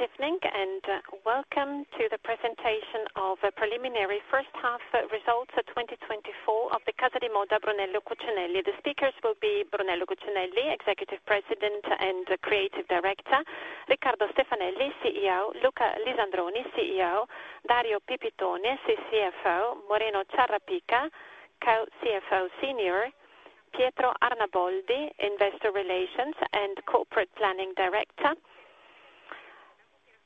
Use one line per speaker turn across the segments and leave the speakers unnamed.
Good evening, and welcome to the presentation of a preliminary first half results of 2024 of the Casa di Moda Brunello Cucinelli. The speakers will be Brunello Cucinelli, Executive President and Creative Director, Riccardo Stefanelli, CEO, Luca Lisandroni, CEO, Dario Pipitone, CFO, Moreno Ciarapica, Co-CFO Senior, Pietro Arnaboldi, Investor Relations and Corporate Planning Director.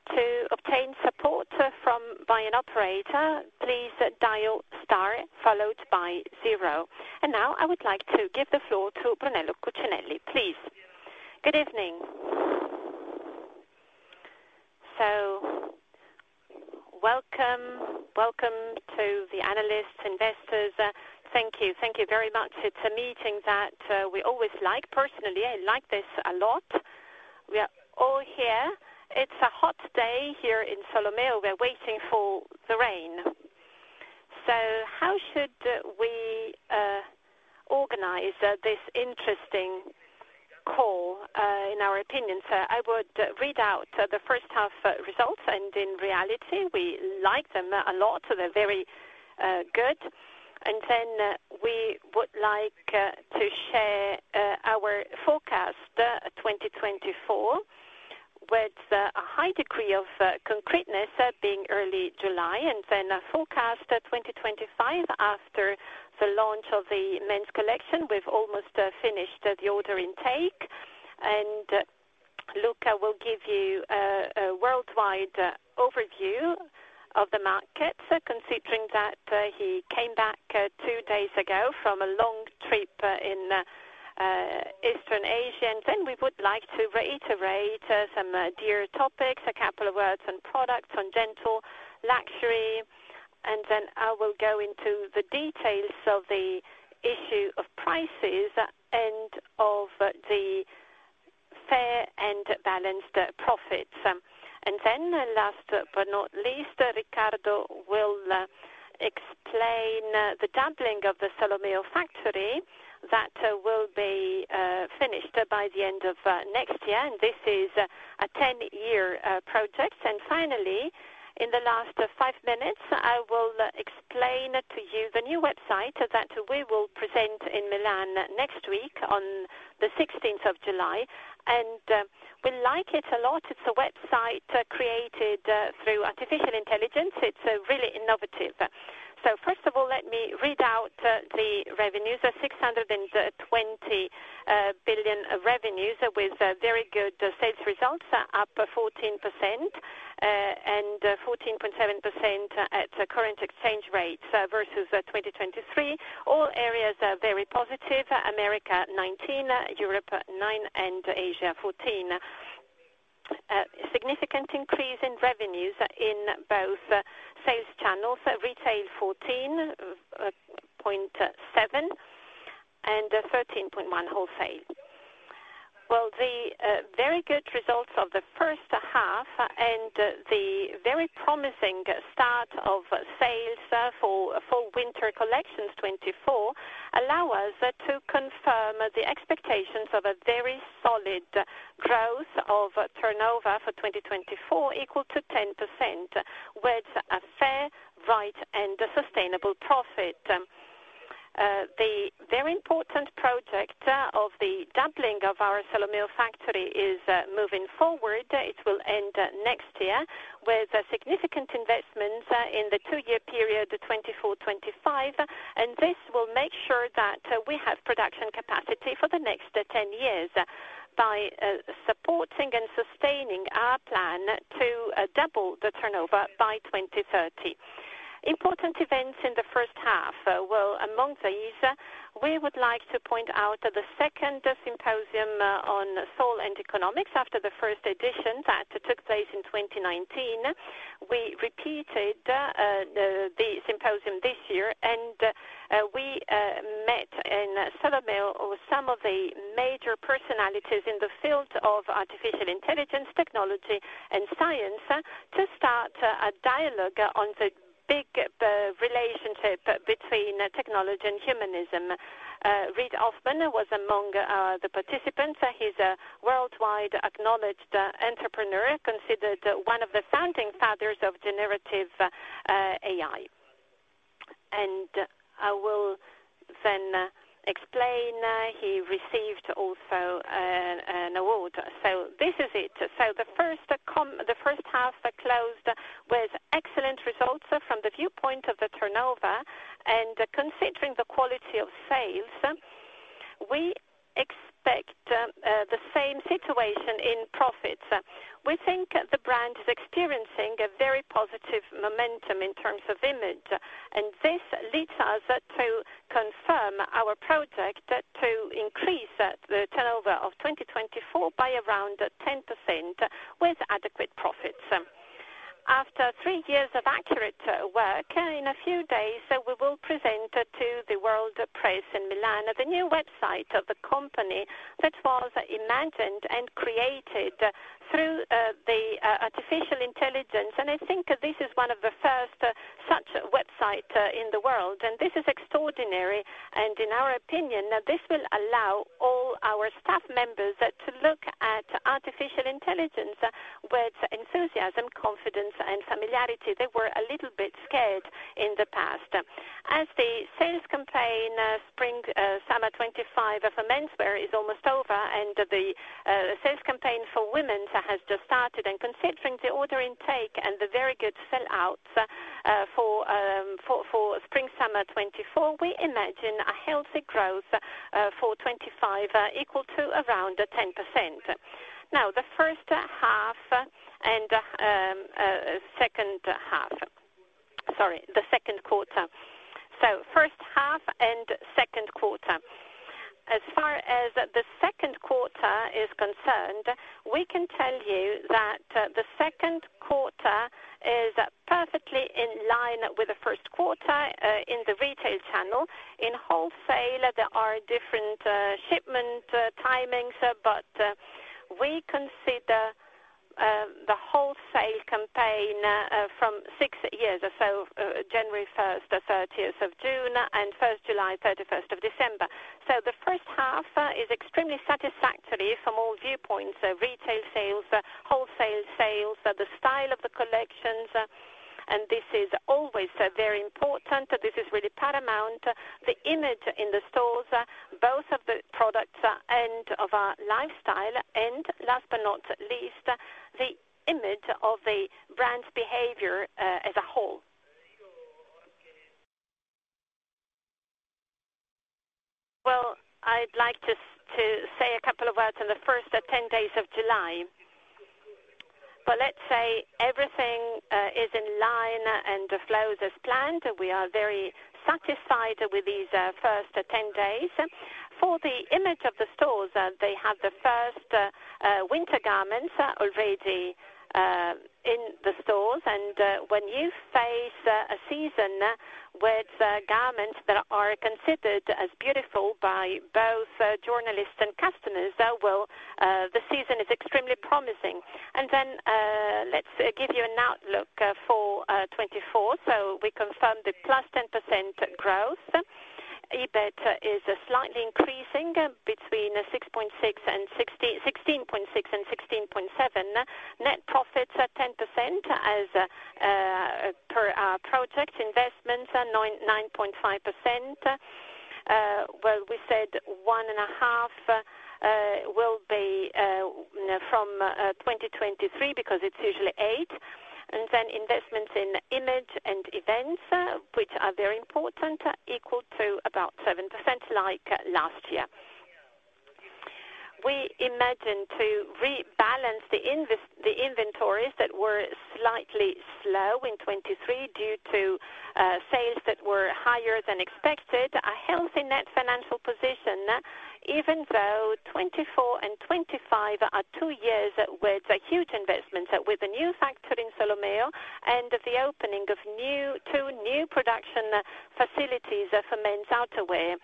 To obtain support from an operator, please dial star followed by zero. And now I would like to give the floor to Brunello Cucinelli, please.
Good evening. So welcome, welcome to the analysts, investors. Thank you, thank you very much. It's a meeting that we always like. Personally, I like this a lot. We are all here. It's a hot day here in Solomeo. We're waiting for the rain. So how should we organize this interesting call in our opinion? So I would read out the first half results, and in reality, we like them a lot, so they're very good. And then we would like to share our forecast 2024 with a high degree of concreteness, being early July, and then a forecast 2025, after the launch of the men's collection. We've almost finished the order intake. And Luca will give you a worldwide overview of the market, considering that he came back 2 days ago from a long trip in Eastern Asia. And then we would like to reiterate some dear topics, a couple of words on products, on gentle luxury. And then I will go into the details of the issue of prices and of the fair and balanced profits. And then, last but not least, Riccardo will explain the doubling of the Solomeo factory that will be finished by the end of next year, and this is a 10-year project. And finally, in the last five minutes, I will explain to you the new website that we will present in Milan next week on the sixteenth of July. And we like it a lot. It's a website created through artificial intelligence. It's really innovative. So first of all, let me read out the revenues are 620 million revenues, with very good sales results, up 14%, and 14.7% at current exchange rates versus 2023. All areas are very positive. America 19%, Europe 9%, and Asia 14%. Significant increase in revenues in both sales channels, retail 14.7% and 13.1% wholesale. Well, the very good results of the first half and the very promising start of sales for Fall/Winter 2024 collections allow us to confirm the expectations of a very solid growth of turnover for 2024 equal to 10%, with a fair, right and a sustainable profit. The very important project of the doubling of our Solomeo factory is moving forward. It will end next year, with a significant investment in the two-year period 2024-2025. This will make sure that we have production capacity for the next 10 years by supporting and sustaining our plan to double the turnover by 2030. Important events in the first half. Well, among these, we would like to point out that the second Symposium on Soul and Economics, after the first edition that took place in 2019, we repeated the symposium this year, and we met in Solomeo with some of the major personalities in the field of artificial intelligence, technology and science, to start a dialogue on the big relationship between technology and humanism. Reid Hoffman was among the participants. He's a worldwide acknowledged entrepreneur, considered one of the founding fathers of generative AI. And I will then explain, he received also an award. So this is it. So the first half closed with excellent results from the viewpoint of the turnover and considering the quality of sales, we expect the same situation in profits. We think the brand is experiencing a very positive momentum in terms of image, and this leads us to confirm our project to increase the turnover of 2024 by around 10%, with adequate profits. After three years of accurate work, in a few days, we will present to the world press in Milan the new website of the company that was imagined and created through the artificial intelligence, and I think this is one of the first such website in the world, and this is extraordinary. In our opinion, this will allow all our staff members to look at artificial intelligence with enthusiasm, confidence, and familiarity. They were a little bit scared in the past. As the sales campaign for Spring/Summer 2025 of menswear is almost over, and the sales campaign for women's has just started, and considering the order intake and the very good sellout for Spring/Summer 2024, we imagine a healthy growth for 2025 equal to around 10%. Now, the first half and second half, sorry, the second quarter. So first half and second quarter. As far as the second quarter is concerned, we can tell you that the second quarter is perfectly in line with the first quarter in the retail channel. In wholesale, there are different shipment timings, but we consider the wholesale campaign from six years or so January 1st to 30th of June, and 1st July, 31st of December. So the first half is extremely satisfactory from all viewpoints, retail sales, wholesale sales, the style of the collections, and this is always very important, this is really paramount. The image in the stores, both of the products and of our lifestyle, and last but not least, the image of the brand's behavior as a whole. Well, I'd like to say a couple of words on the first 10 days of July. But let's say everything is in line and flows as planned. We are very satisfied with these first 10 days. For the image of the stores, they have the first winter garments already in the stores. And when you face a season with garments that are considered as beautiful by both journalists and customers, well, the season is extremely promising. Then, let's give you an outlook for 2024. So we confirmed the +10% growth. EBIT is slightly increasing between 16.6% and 16.7%. Net profits are +10% as per our project. Investments are 9%-9.5%. Well, we said 1.5% will be from 2023, because it's usually 8%. And then investments in image and events, which are very important, equal to about 7%, like last year. We imagine to rebalance the inventories that were slightly slow in 2023 due to sales that were higher than expected. A healthy net financial position, even though 2024 and 2025 are two years with huge investments, with a new factory in Solomeo, and the opening of new. Two new production facilities for men's outerwear,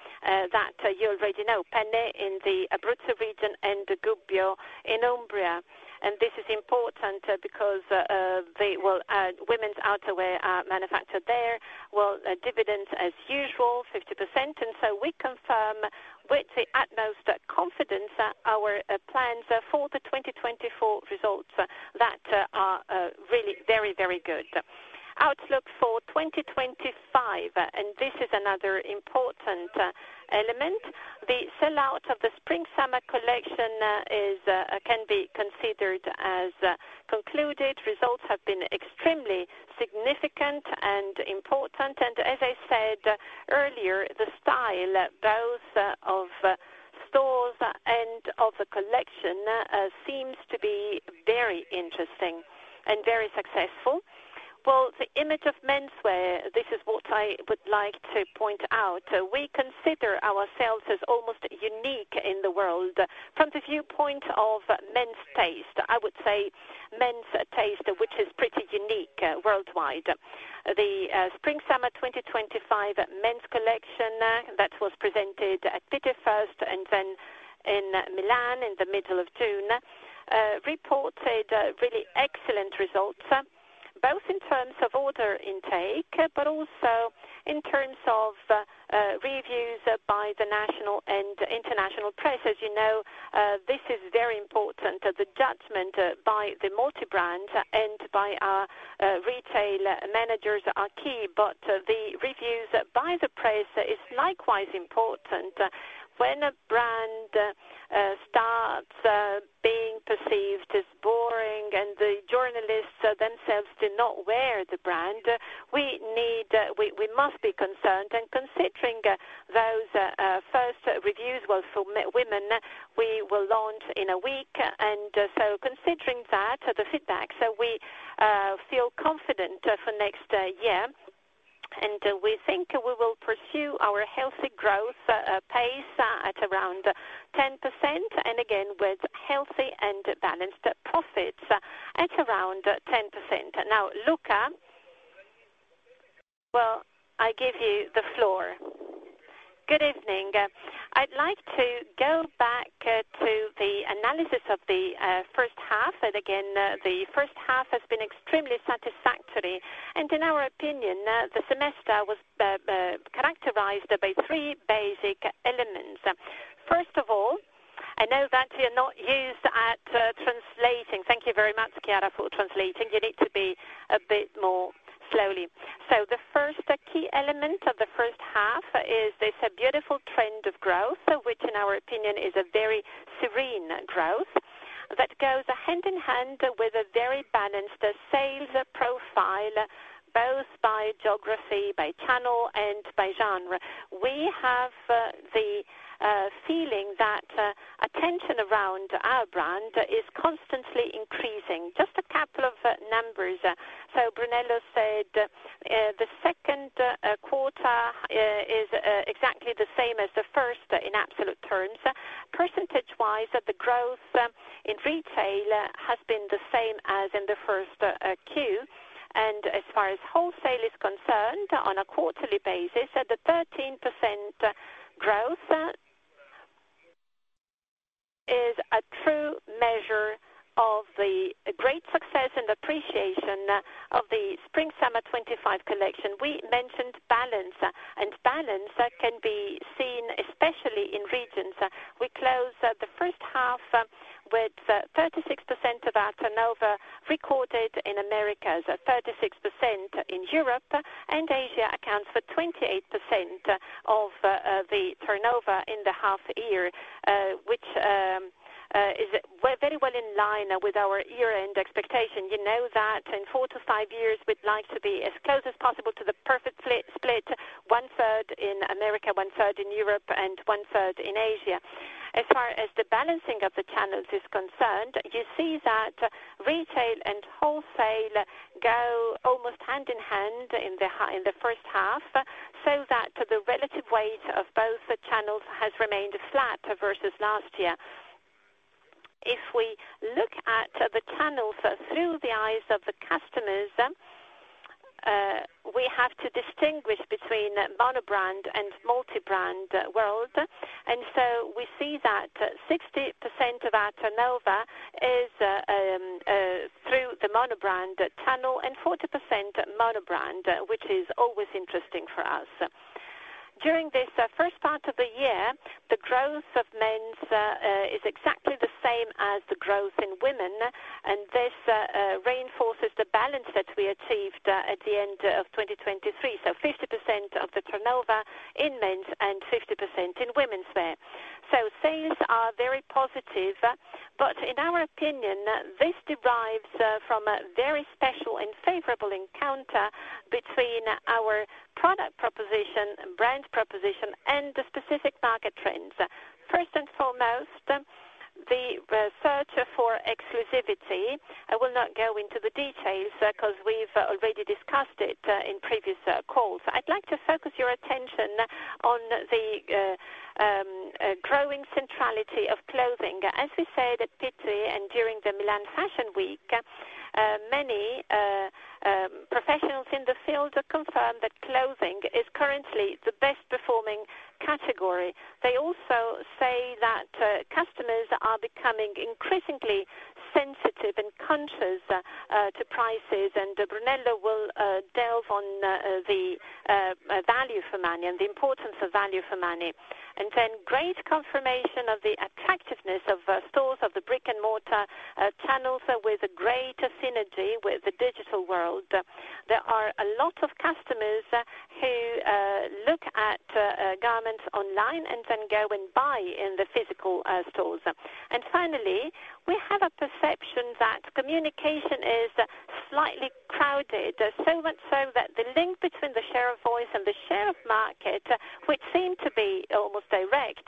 that you already know, Penne in the Abruzzo region and Gubbio in Umbria. And this is important because, they, well, women's outerwear are manufactured there. Well, dividends, as usual, 50%. And so we confirm with the utmost confidence, our plans for the 2024 results that are, really very, very good. Outlook for 2025, and this is another important, element. The sellout of the spring/summer collection, is, can be considered as, concluded. Results have been extremely significant and important, and as I said earlier, the style, both of stores and of the collection, seems to be very interesting and very successful. Well, the image of menswear, this is what I would like to point out. We consider ourselves as almost unique in the world from the viewpoint of men's taste. I would say men's taste, which is pretty unique worldwide. The Spring/Summer 2025 men's collection that was presented at Pitti first and then in Milan in the middle of June reported really excellent results, both in terms of order intake, but also in terms of reviews by the national and international press. As you know, this is very important, the judgment by the multi-brand and by our retail managers are key, but the reviews by the press is likewise important. When a brand starts being perceived as boring and the journalists themselves do not wear the brand, we must be concerned, and considering those first reviews, well, for women, we will launch in a week. And so considering that, the feedback, so we feel confident for next year. We think we will pursue our healthy growth pace at around 10%, and again, with healthy and balanced profits at around 10%. Now, Luca? Well, I give you the floor.
Good evening. I'd like to go back to the analysis of the first half, and again, the first half has been extremely satisfactory, and in our opinion, the semester was characterized by three basic elements. First of all, I know that you're not used at translating. Thank you very much, Chiara, for translating. You need to be a bit more slowly. So the first key element of the first half is this, a beautiful trend of growth, which in our opinion, is a very serene growth that goes hand in hand with a very balanced sales profile, both by geography, by channel, and by genre. We have the feeling that attention around our brand is constantly increasing. Just a couple of numbers. So Brunello said the second quarter is exactly the same as the first in absolute terms. Percentage-wise, the growth in retail has been the same as in the first Q. And as far as wholesale is concerned, on a quarterly basis, the 13% growth is a true measure of the great success and appreciation of the Spring/Summer 2025 collection. We mentioned balance, and balance can be seen, especially in regions. We closed the first half with 36% of our turnover recorded in Americas, 36% in Europe, and Asia accounts for 28% of the turnover in the half year, which is we're very well in line with our year-end expectation. You know that in 4-5 years, we'd like to be as close as possible to the perfect split, 1/3 in America, 1/3 in Europe, and 1/3 in Asia. As far as the balancing of the channels is concerned, you see that retail and wholesale go almost hand in hand in the first half, so that the relative weight of both channels has remained flat versus last year. If we look at the channels through the eyes of the customers, we have to distinguish between monobrand and multibrand world. And so we see that 60% of our turnover is through the monobrand channel, and 40% monobrand, which is always interesting for us. During this first part of the year, the growth of men's is exactly the same as the growth in women, and this reinforces the balance that we achieved at the end of 2023. So 50% of the turnover in men's and 50% in womenswear. So sales are very positive, but in our opinion, this derives from a very special and favorable encounter between our product proposition, brand proposition, and the specific market trends. First and foremost, the search for exclusivity. I will not go into the details, because we've already discussed it in previous calls. I'd like to focus your attention on the growing centrality of clothing. As we said at Pitti and during the Milan Fashion Week, many professionals in the field confirm that clothing is currently the best performing category. They also say that customers are becoming increasingly sensitive and conscious to prices, and Brunello will delve on the value for money and the importance of value for money. And then great confirmation of the attractiveness of stores, of the brick-and-mortar channels, with a great synergy with the digital world. There are a lot of customers who look at garments online and then go and buy in the physical stores. And finally, we have a perception that communication is slightly crowded, so much so that the link between the share of voice and the share of market, which seemed to be almost direct,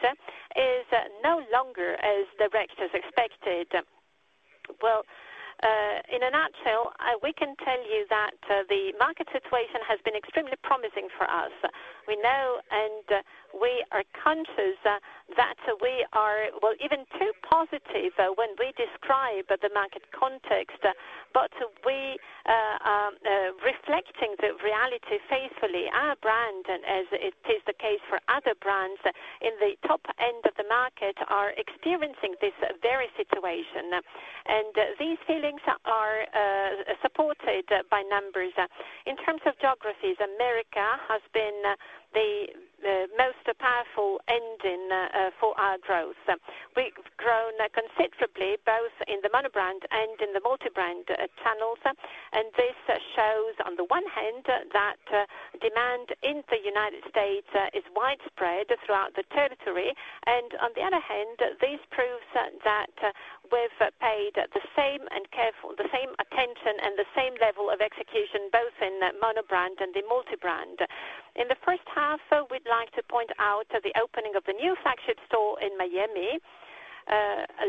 is no longer as direct as expected. Well, in a nutshell, we can tell you that the market situation has been extremely promising for us. We know, and we are conscious that we are, well, even too positive when we describe the market context, but we are reflecting the reality faithfully. Our brand, as it is the case for other brands in the top end of the market, are experiencing this very situation, and these feelings are supported by numbers. In terms of geographies, America has been the most powerful engine for our growth. We've grown considerably, both in the monobrand and in the multibrand channels, and this shows, on the one hand, that demand in the United States is widespread throughout the territory, and on the other hand, this proves that we've paid the same attention and the same level of execution, both in monobrand and in multibrand. In the first half, we'd like to point out the opening of the new flagship store in Miami,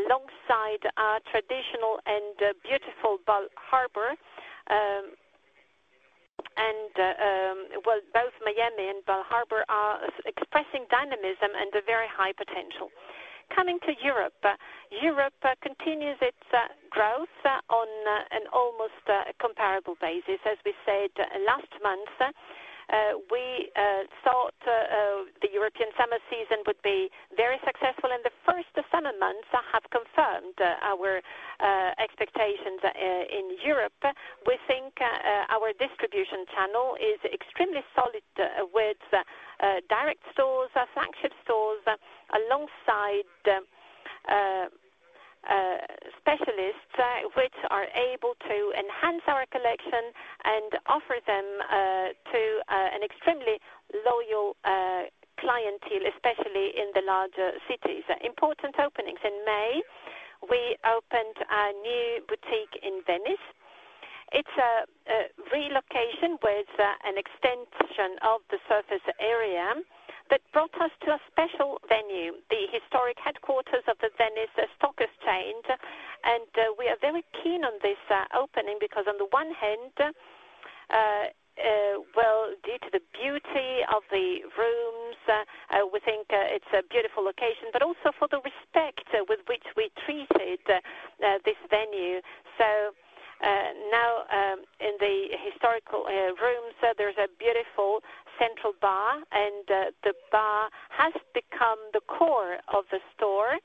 alongside our traditional and beautiful Bal Harbour. Both Miami and Bal Harbour are expressing dynamism and a very high potential. Coming to Europe. Europe continues its growth on an almost comparable basis. As we said last month, we thought the European summer season would be very successful, and the first summer months have confirmed our expectations in Europe. We think our distribution channel is extremely solid with direct stores, flagship stores, alongside specialists, which are able to enhance our collection and offer them to an extremely loyal clientele, especially in the larger cities. Important openings. In May, we opened our new boutique in Venice. It's a relocation with an extension of the surface area that brought us to a special venue, the historic headquarters of the Venice Stock Exchange. We are very keen on this opening, because on the one hand, well, due to the beauty of the rooms, we think it's a beautiful location, but also for the respect with which we treated this venue. Now, in the historical rooms, there's a beautiful central bar, and the bar has become the core of the store.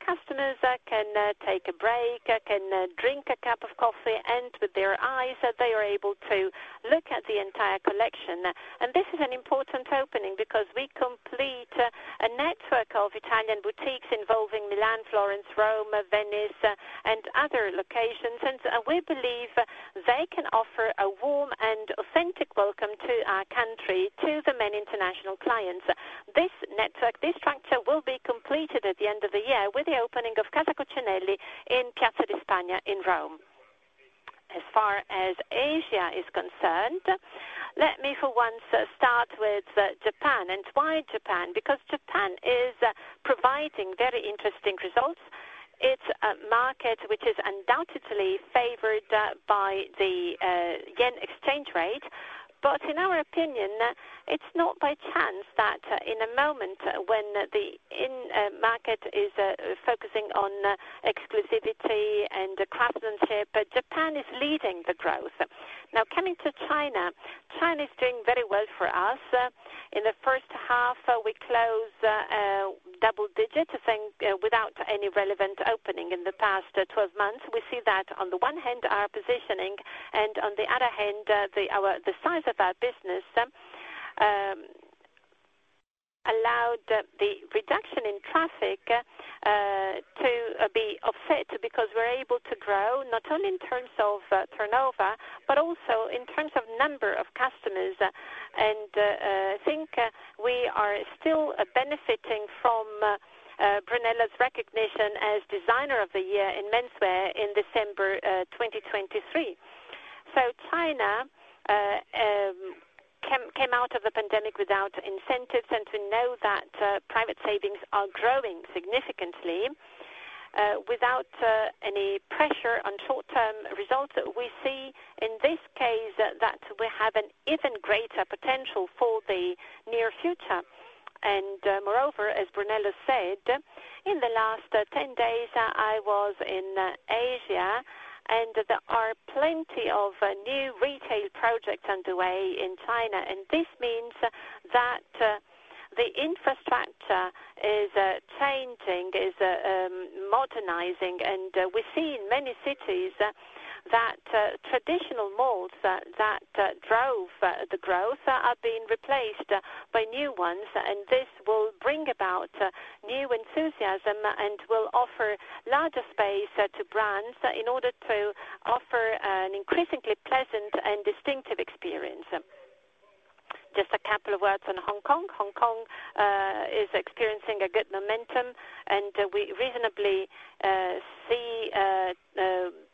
Customers can take a break, can drink a cup of coffee, and with their eyes, they are able to look at the entire collection. This is an important opening because we complete a network of Italian boutiques involving Milan, Florence, Rome, Venice, and other locations, and we believe they can offer a warm and authentic welcome to our country, to the many international clients. This network, this structure, will be completed at the end of the year with the opening of Casa Cucinelli in Piazza di Spagna in Rome. As far as Asia is concerned, let me for once start with Japan. Why Japan? Because Japan is providing very interesting results. It's a market which is undoubtedly favored by the yen exchange rate. But in our opinion, it's not by chance that in a moment when the market is focusing on exclusivity and craftsmanship, Japan is leading the growth. Now, coming to China, China is doing very well for us. In the first half, we closed double digits, without any relevant opening in the past 12 months. We see that on the one hand, our positioning and on the other hand, the size of our business allowed the reduction in traffic to be offset, because we're able to grow not only in terms of turnover, but also in terms of number of customers. I think we are still benefiting from Brunello's recognition as Designer of the Year in menswear in December 2023. So China came out of the pandemic without incentives, and we know that private savings are growing significantly without any pressure on short-term results. We see in this case that we have an even greater potential for the near future. And moreover, as Brunello said, in the last 10 days, I was in Asia, and there are plenty of new retail projects underway in China, and this means that the infrastructure is changing, is modernizing. We see in many cities that traditional malls that drove the growth are being replaced by new ones, and this will bring about new enthusiasm and will offer larger space to brands in order to offer an increasingly pleasant and distinctive experience. Just a couple of words on Hong Kong. Hong Kong is experiencing a good momentum, and we reasonably see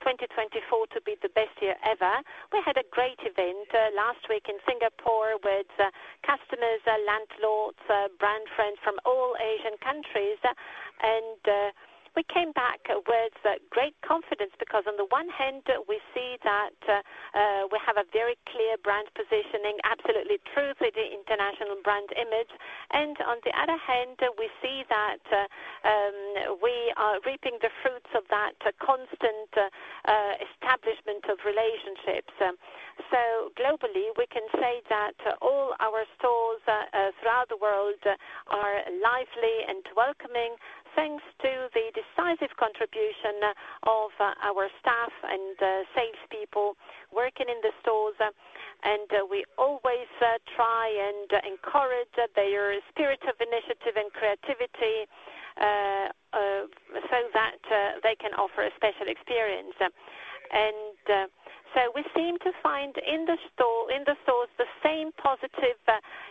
2024 to be the best year ever. We had a great event last week in Singapore, with customers, landlords, brand friends from all Asian countries, and we came back with great confidence, because on the one hand, we see that we have a very clear brand positioning, absolutely true to the international brand image, and on the other hand, we see that we are reaping the fruits of that constant establishment of relationships. So globally, we can say that all our stores throughout the world are lively and welcoming, thanks to the decisive contribution of our staff and salespeople working in the stores. We always try and encourage their spirit of initiative and creativity so that they can offer a special experience. So we seem to find in the store, in the stores, the same positive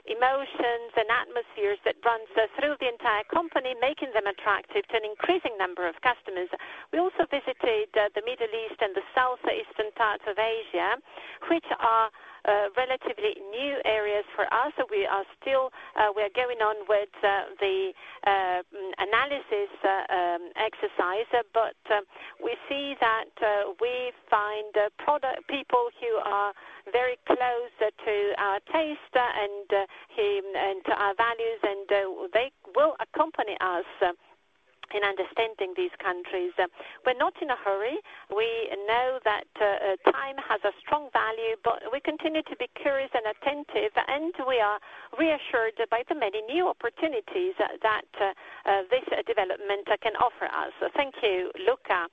emotions and atmospheres that runs through the entire company, making them attractive to an increasing number of customers. We also visited the Middle East and the southeastern parts of Asia, which are relatively new areas for us. We are still, we are going on with the analysis exercise, but we see that we find people who are very close to our taste and to our values, and they will accompany us in understanding these countries. We're not in a hurry. We know that time has a strong value, but we continue to be curious and attentive, and we are reassured by the many new opportunities that this development can offer us.
So thank you, Luca.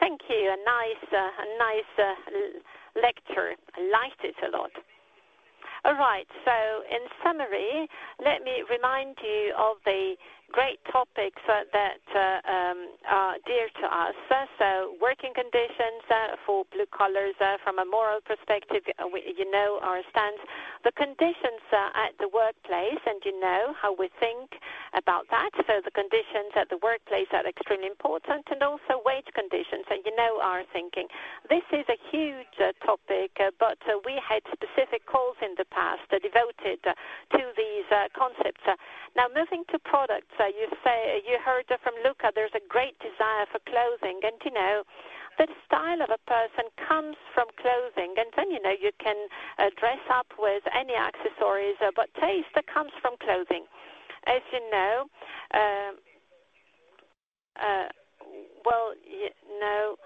Thank you. A nice lecture. I liked it a lot. All right. So in summary, let me remind you of the great topics that are dear to us. So working conditions for blue collars from a moral perspective, we, you know, our stance. The conditions at the workplace, and you know, how we think about that. So the conditions at the workplace are extremely important and also wage conditions, and you know our thinking. This is a huge topic, but we had specific calls in the past devoted to these concepts. Now, moving to products, you say, you heard from Luca, there's a great desire for clothing, and you know, the style of a person comes from clothing, and then, you know, you can dress up with any accessories, but taste comes from clothing. As you know, well, no,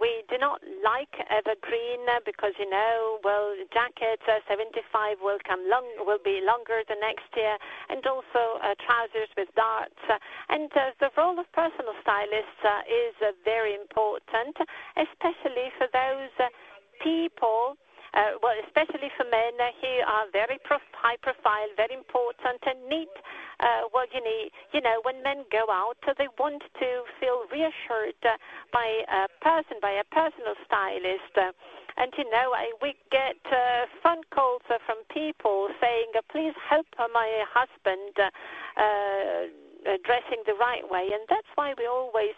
we do not like evergreen because, you know, well, jackets 75 will be longer the next year, and also, trousers with darts. And, the role of personal stylists is very important, especially for those people, well, especially for men who are very high profile, very important and need, what you need. You know, when men go out, they want to feel reassured by a person, by a personal stylist. And you know, we get phone calls from people saying, "Please help my husband dressing the right way." And that's why we always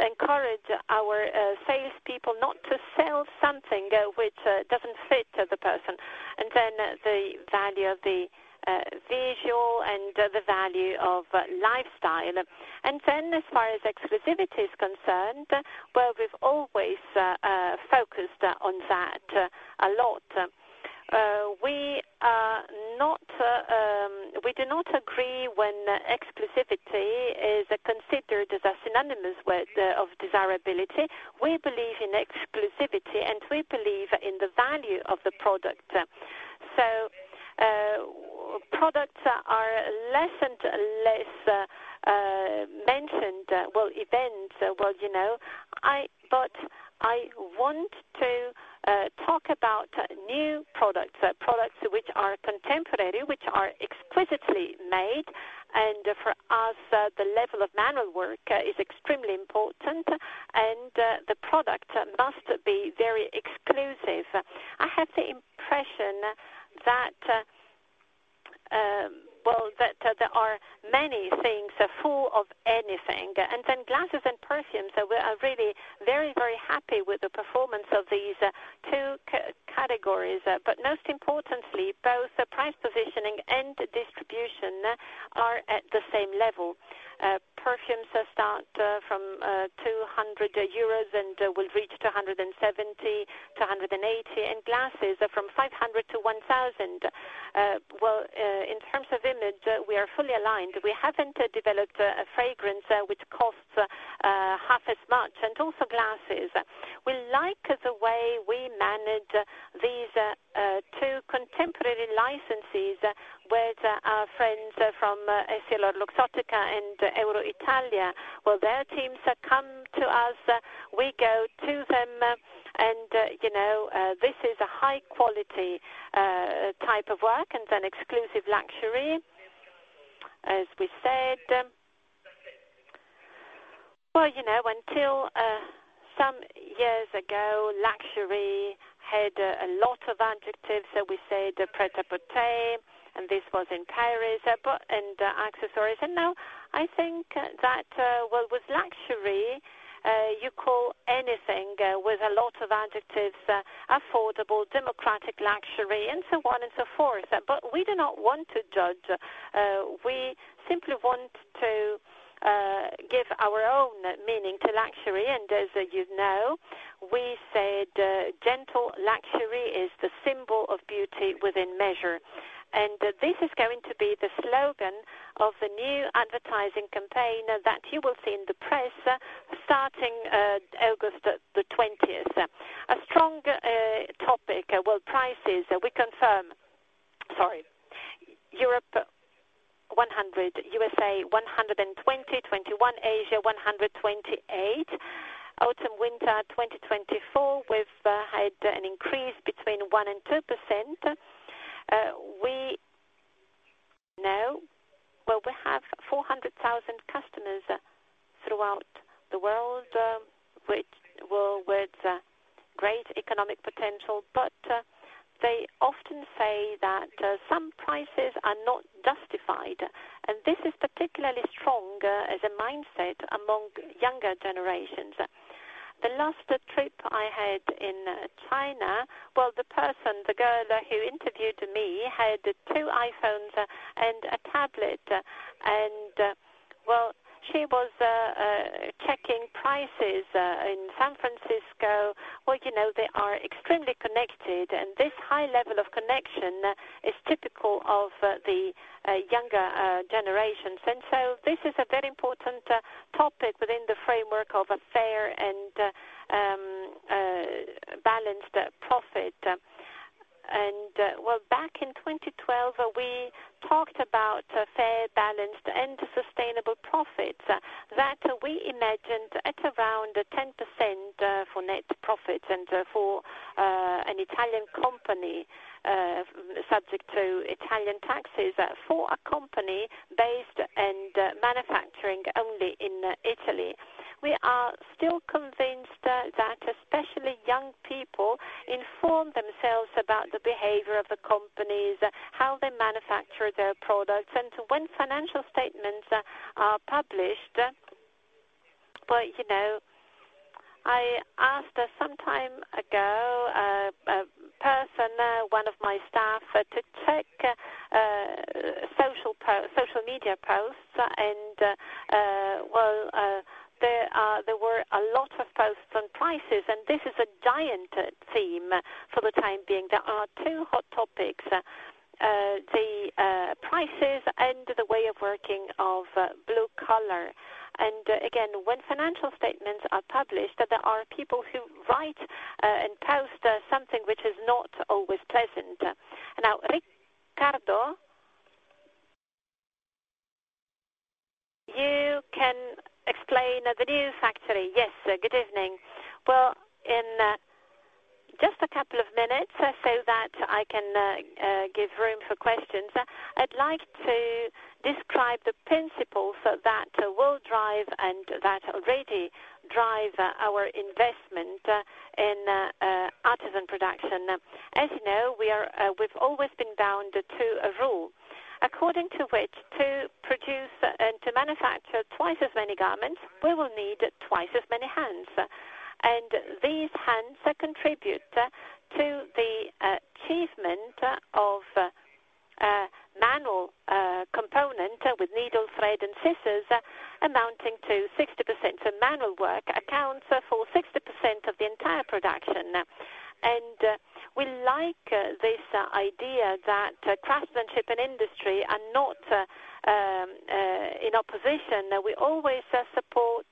encourage our salespeople not to sell something which doesn't fit the person, and then the value of the visual and the value of lifestyle. As far as exclusivity is concerned, well, we've always focused on that a lot. We are not, we do not agree when exclusivity is considered as synonymous with of desirability. We believe in exclusivity, and we believe in the value of the product. So, products are less and less mentioned, well, events, well, you know, but I want to talk about new products, products which are contemporary, which are exquisitely made, and for us, the level of manual work is extremely important, and the product must be very exclusive. I have the impression that, well, that there are many things are full of anything, and then glasses and perfumes, so we are really very, very happy with the performance of these two categories. But most importantly, both the price positioning and distribution are at the same level. Perfumes start from 200 euros and will reach to 170-180, and glasses are from 500-1,000. Well, in terms of image, we are fully aligned. We haven't developed a fragrance which costs half as much, and also glasses. We like the way we manage these two contemporary licenses with our friends from EssilorLuxottica and Euroitalia. Well, their teams come to us, we go to them, and, you know, this is a high quality type of work and an exclusive luxury, as we said. Well, you know, until some years ago, luxury had a lot of adjectives, so we said, prêt-à-porter, and this was in Paris, but and accessories. Now I think that, well, with luxury, you call anything with a lot of adjectives, affordable, democratic luxury, and so on and so forth. But we do not want to judge, we simply want to give our own meaning to luxury. And as you know, we said, "Gentle Luxury is the symbol of beauty within measure." And this is going to be the slogan of the new advertising campaign that you will see in the press starting August the twentieth. A strong topic, well, prices, we confirm. Sorry. Europe 100, USA 120-121, Asia 128. Autumn/Winter 2024, we've had an increase between 1% and 2%. We know, well, we have 400,000 customers throughout the world, which, with great economic potential, but, they often say that, some prices are not justified, and this is particularly strong as a mindset among younger generations. The last trip I had in China, well, the person, the girl who interviewed me, had two iPhones and a tablet, and, well. She was checking prices in San Francisco. Well, you know, they are extremely connected, and this high level of connection is typical of the younger generations. And so this is a very important topic within the framework of a fair and balanced profit. Well, back in 2012, we talked about a fair, balanced, and sustainable profit that we imagined at around 10% for net profits and for an Italian company subject to Italian taxes. For a company based and manufacturing only in Italy, we are still convinced that especially young people inform themselves about the behavior of the companies, how they manufacture their products, and when financial statements are published. But, you know, I asked some time ago a person, one of my staff, to check social media posts, and well, there were a lot of posts on prices, and this is a giant theme for the time being. There are two hot topics, the prices and the way of working of blue collar. And again, when financial statements are published, there are people who write and post something which is not always pleasant. Now, Riccardo, you can explain the new factory.
Yes, good evening. Well, in just a couple of minutes, so that I can give room for questions. I'd like to describe the principles that will drive and that already drive our investment in artisan production. As you know, we are, we've always been bound to a rule, according to which to produce and to manufacture twice as many garments, we will need twice as many hands. And these hands contribute to the achievement of manual component, with needle, thread, and scissors, amounting to 60%. So manual work accounts for 60% of the entire production. We like this idea that craftsmanship and industry are not in opposition. We always support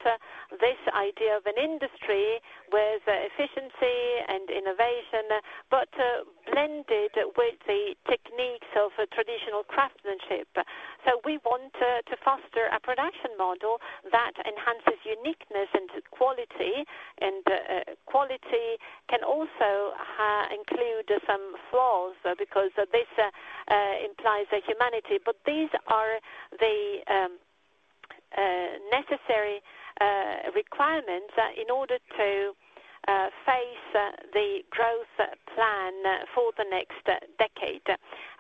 this idea of an industry with efficiency and innovation, but blended with the techniques of a traditional craftsmanship. We want to foster a production model that enhances uniqueness and quality, and quality can also include some flaws, because this implies a humanity. These are the necessary requirements in order to face the growth plan for the next decade.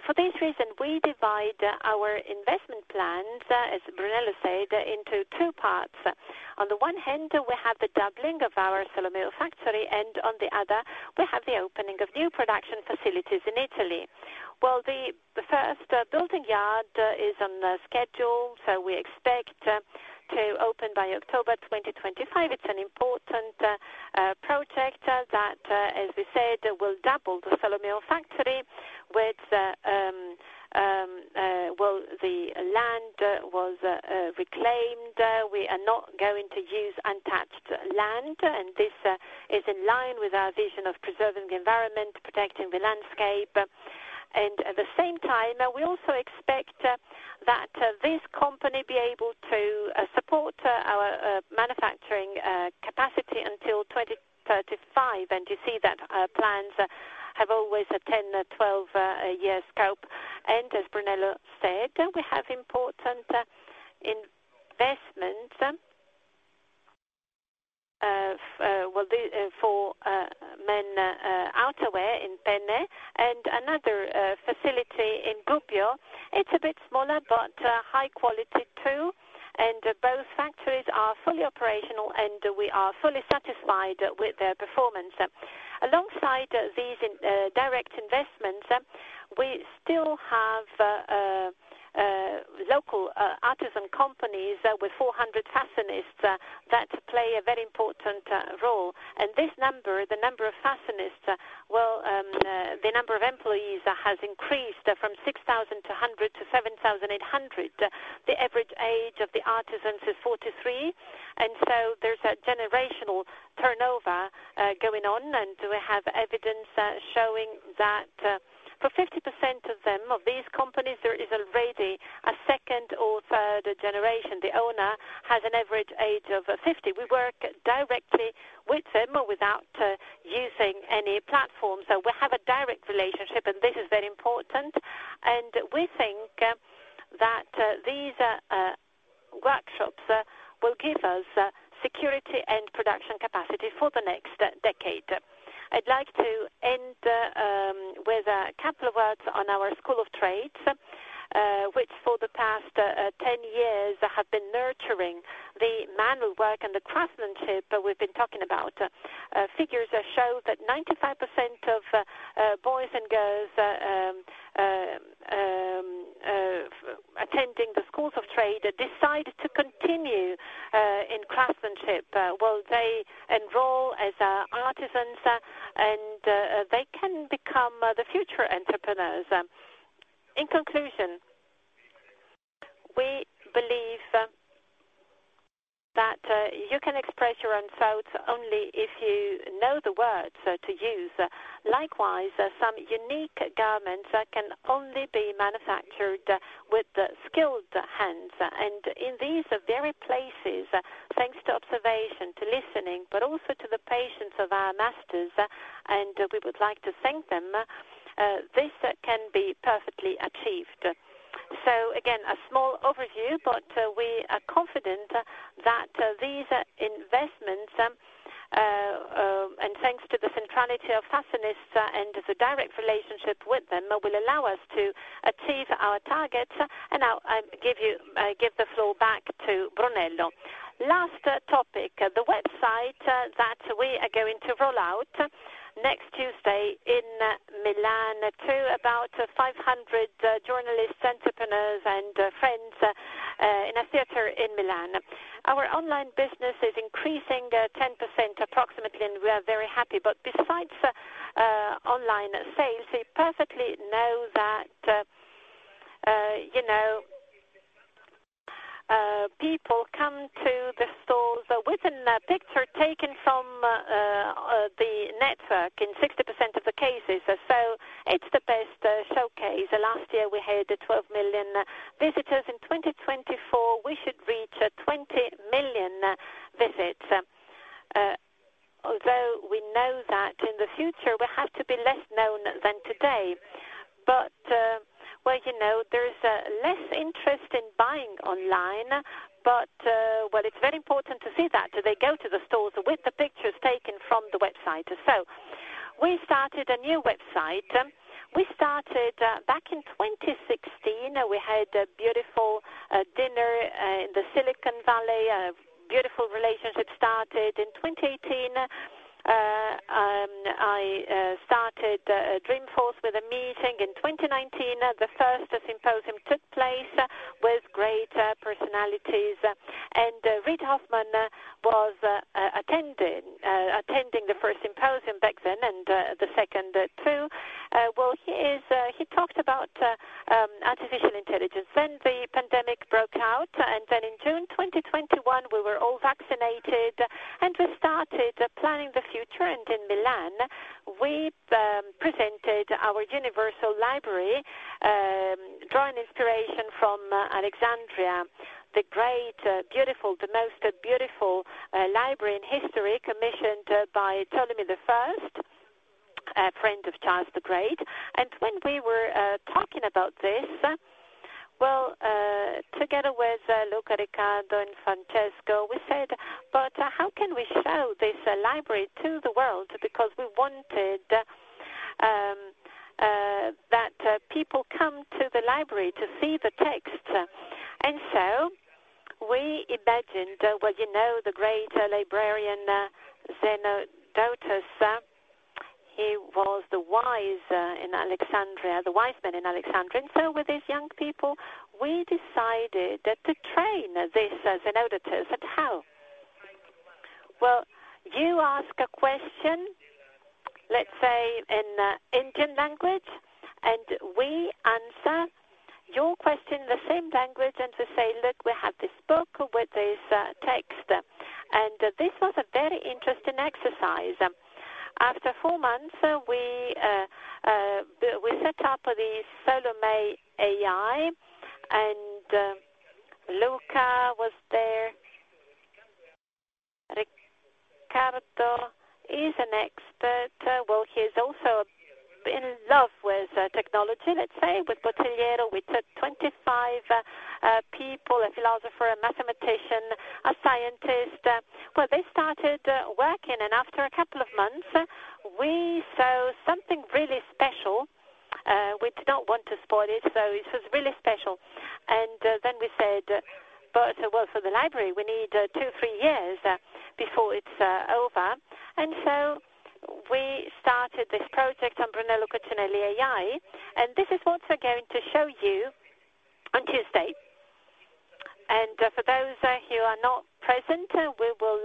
For this reason, we divide our investment plans, as Brunello said, into two parts. On the one hand, we have the doubling of our Solomeo factory, and on the other, we have the opening of new production facilities in Italy. Well, the first building yard is on the schedule, so we expect to open by October 2025. It's an important project that, as we said, will double the Solomeo factory, with well, the land was reclaimed. We are not going to use untouched land, and this is in line with our vision of preserving the environment, protecting the landscape. And at the same time, we also expect that this company be able to support our manufacturing capacity until 2035. And you see that plans have always a 10-12-year scope. And as Brunello said, we have important investments, well, the for men outerwear in Penne and another facility in Gubbio. It's a bit smaller, but high quality too, and both factories are fully operational, and we are fully satisfied with their performance. Alongside these direct investments, we still have local artisan companies with 400 fashionists that play a very important role. And this number, the number of fashionists, well, the number of employees has increased from 6,200 to 7,800. The average age of the artisans is 43, and so there's a generational turnover going on. And we have evidence showing that for 50% of them, of these companies, there is already a second or third generation. The owner has an average age of 50. We work directly with them without using any platform. So we have a direct relationship, and this is very important, and we think that these workshops will give us security and production capacity for the next decade. I'd like to end with a couple of words on our school of trades, which for the past 10 years have been nurturing the manual work and the craftsmanship that we've been talking about. Figures show that 95% of boys and girls attending the schools of trade decide to continue in craftsmanship. Well, they enroll as artisans, and they can become the future entrepreneurs. In conclusion, we believe that you can express your own thoughts only if you know the words to use. Likewise, some unique garments can only be manufactured with the skilled hands. And in these very places, thanks to observation, to listening, but also to the patience of our masters, and we would like to thank them, this can be perfectly achieved. So again, a small overview, but we are confident that these investments and thanks to the centrality of fashionists, and the direct relationship with them, will allow us to achieve our targets. And I'll give the floor back to Brunello.
Last topic, the website that we are going to roll out next Tuesday in Milan to about 500 journalists, entrepreneurs, and friends in a theater in Milan. Our online business is increasing 10% approximately, and we are very happy. But besides online sales, we perfectly know that, you know, people come to the stores with a picture taken from the network in 60% of the cases. So it's the best showcase. Last year, we had 12 million visitors. In 2024, we should reach 20 million visits. Although we know that in the future, we have to be less known than today. But well, you know, there is less interest in buying online, but well, it's very important to see that they go to the stores with the pictures taken from the website. So we started a new website. We started back in 2016, we had a beautiful dinner in the Silicon Valley, a beautiful relationship started. In 2018, I started Dreamforce with a meeting. In 2019, the first Symposium took place with great personalities. Reid Hoffman was attending the first symposium back then, and the second too. Well, he talked about artificial intelligence. Then the pandemic broke out, and then in June 2021, we were all vaccinated, and we started planning the future. In Milan, we presented our Universal Library, drawing inspiration from Alexandria, the great, beautiful, the most beautiful library in history, commissioned by Ptolemy I, a friend of Charles the Great. When we were talking about this, well, together with Luca, Riccardo, and Francesco, we said: "But how can we show this library to the world?" Because we wanted that people come to the library to see the text. And so we imagined, well, you know, the great librarian, Zenodotus, he was the wise in Alexandria, the wise man in Alexandria. And so with these young people, we decided to train this Zenodotus, but how? Well, you ask a question, let's say, in Indian language, and we answer your question in the same language, and to say, "Look, we have this book with this text." And this was a very interesting exercise. After four months, we set up the Solomei AI, and Luca was there. Riccardo is an expert. Well, he is also in love with technology, let's say, with Bottigliero. We took 25 people, a philosopher, a mathematician, a scientist. Well, they started working, and after a couple of months, we saw something really special. We do not want to spoil it, so it was really special. Then we said, "But, well, for the library, we need 2-3 years before it's over." So we started this project on Brunello Cucinelli AI, and this is what we're going to show you on Tuesday. For those who are not present, we will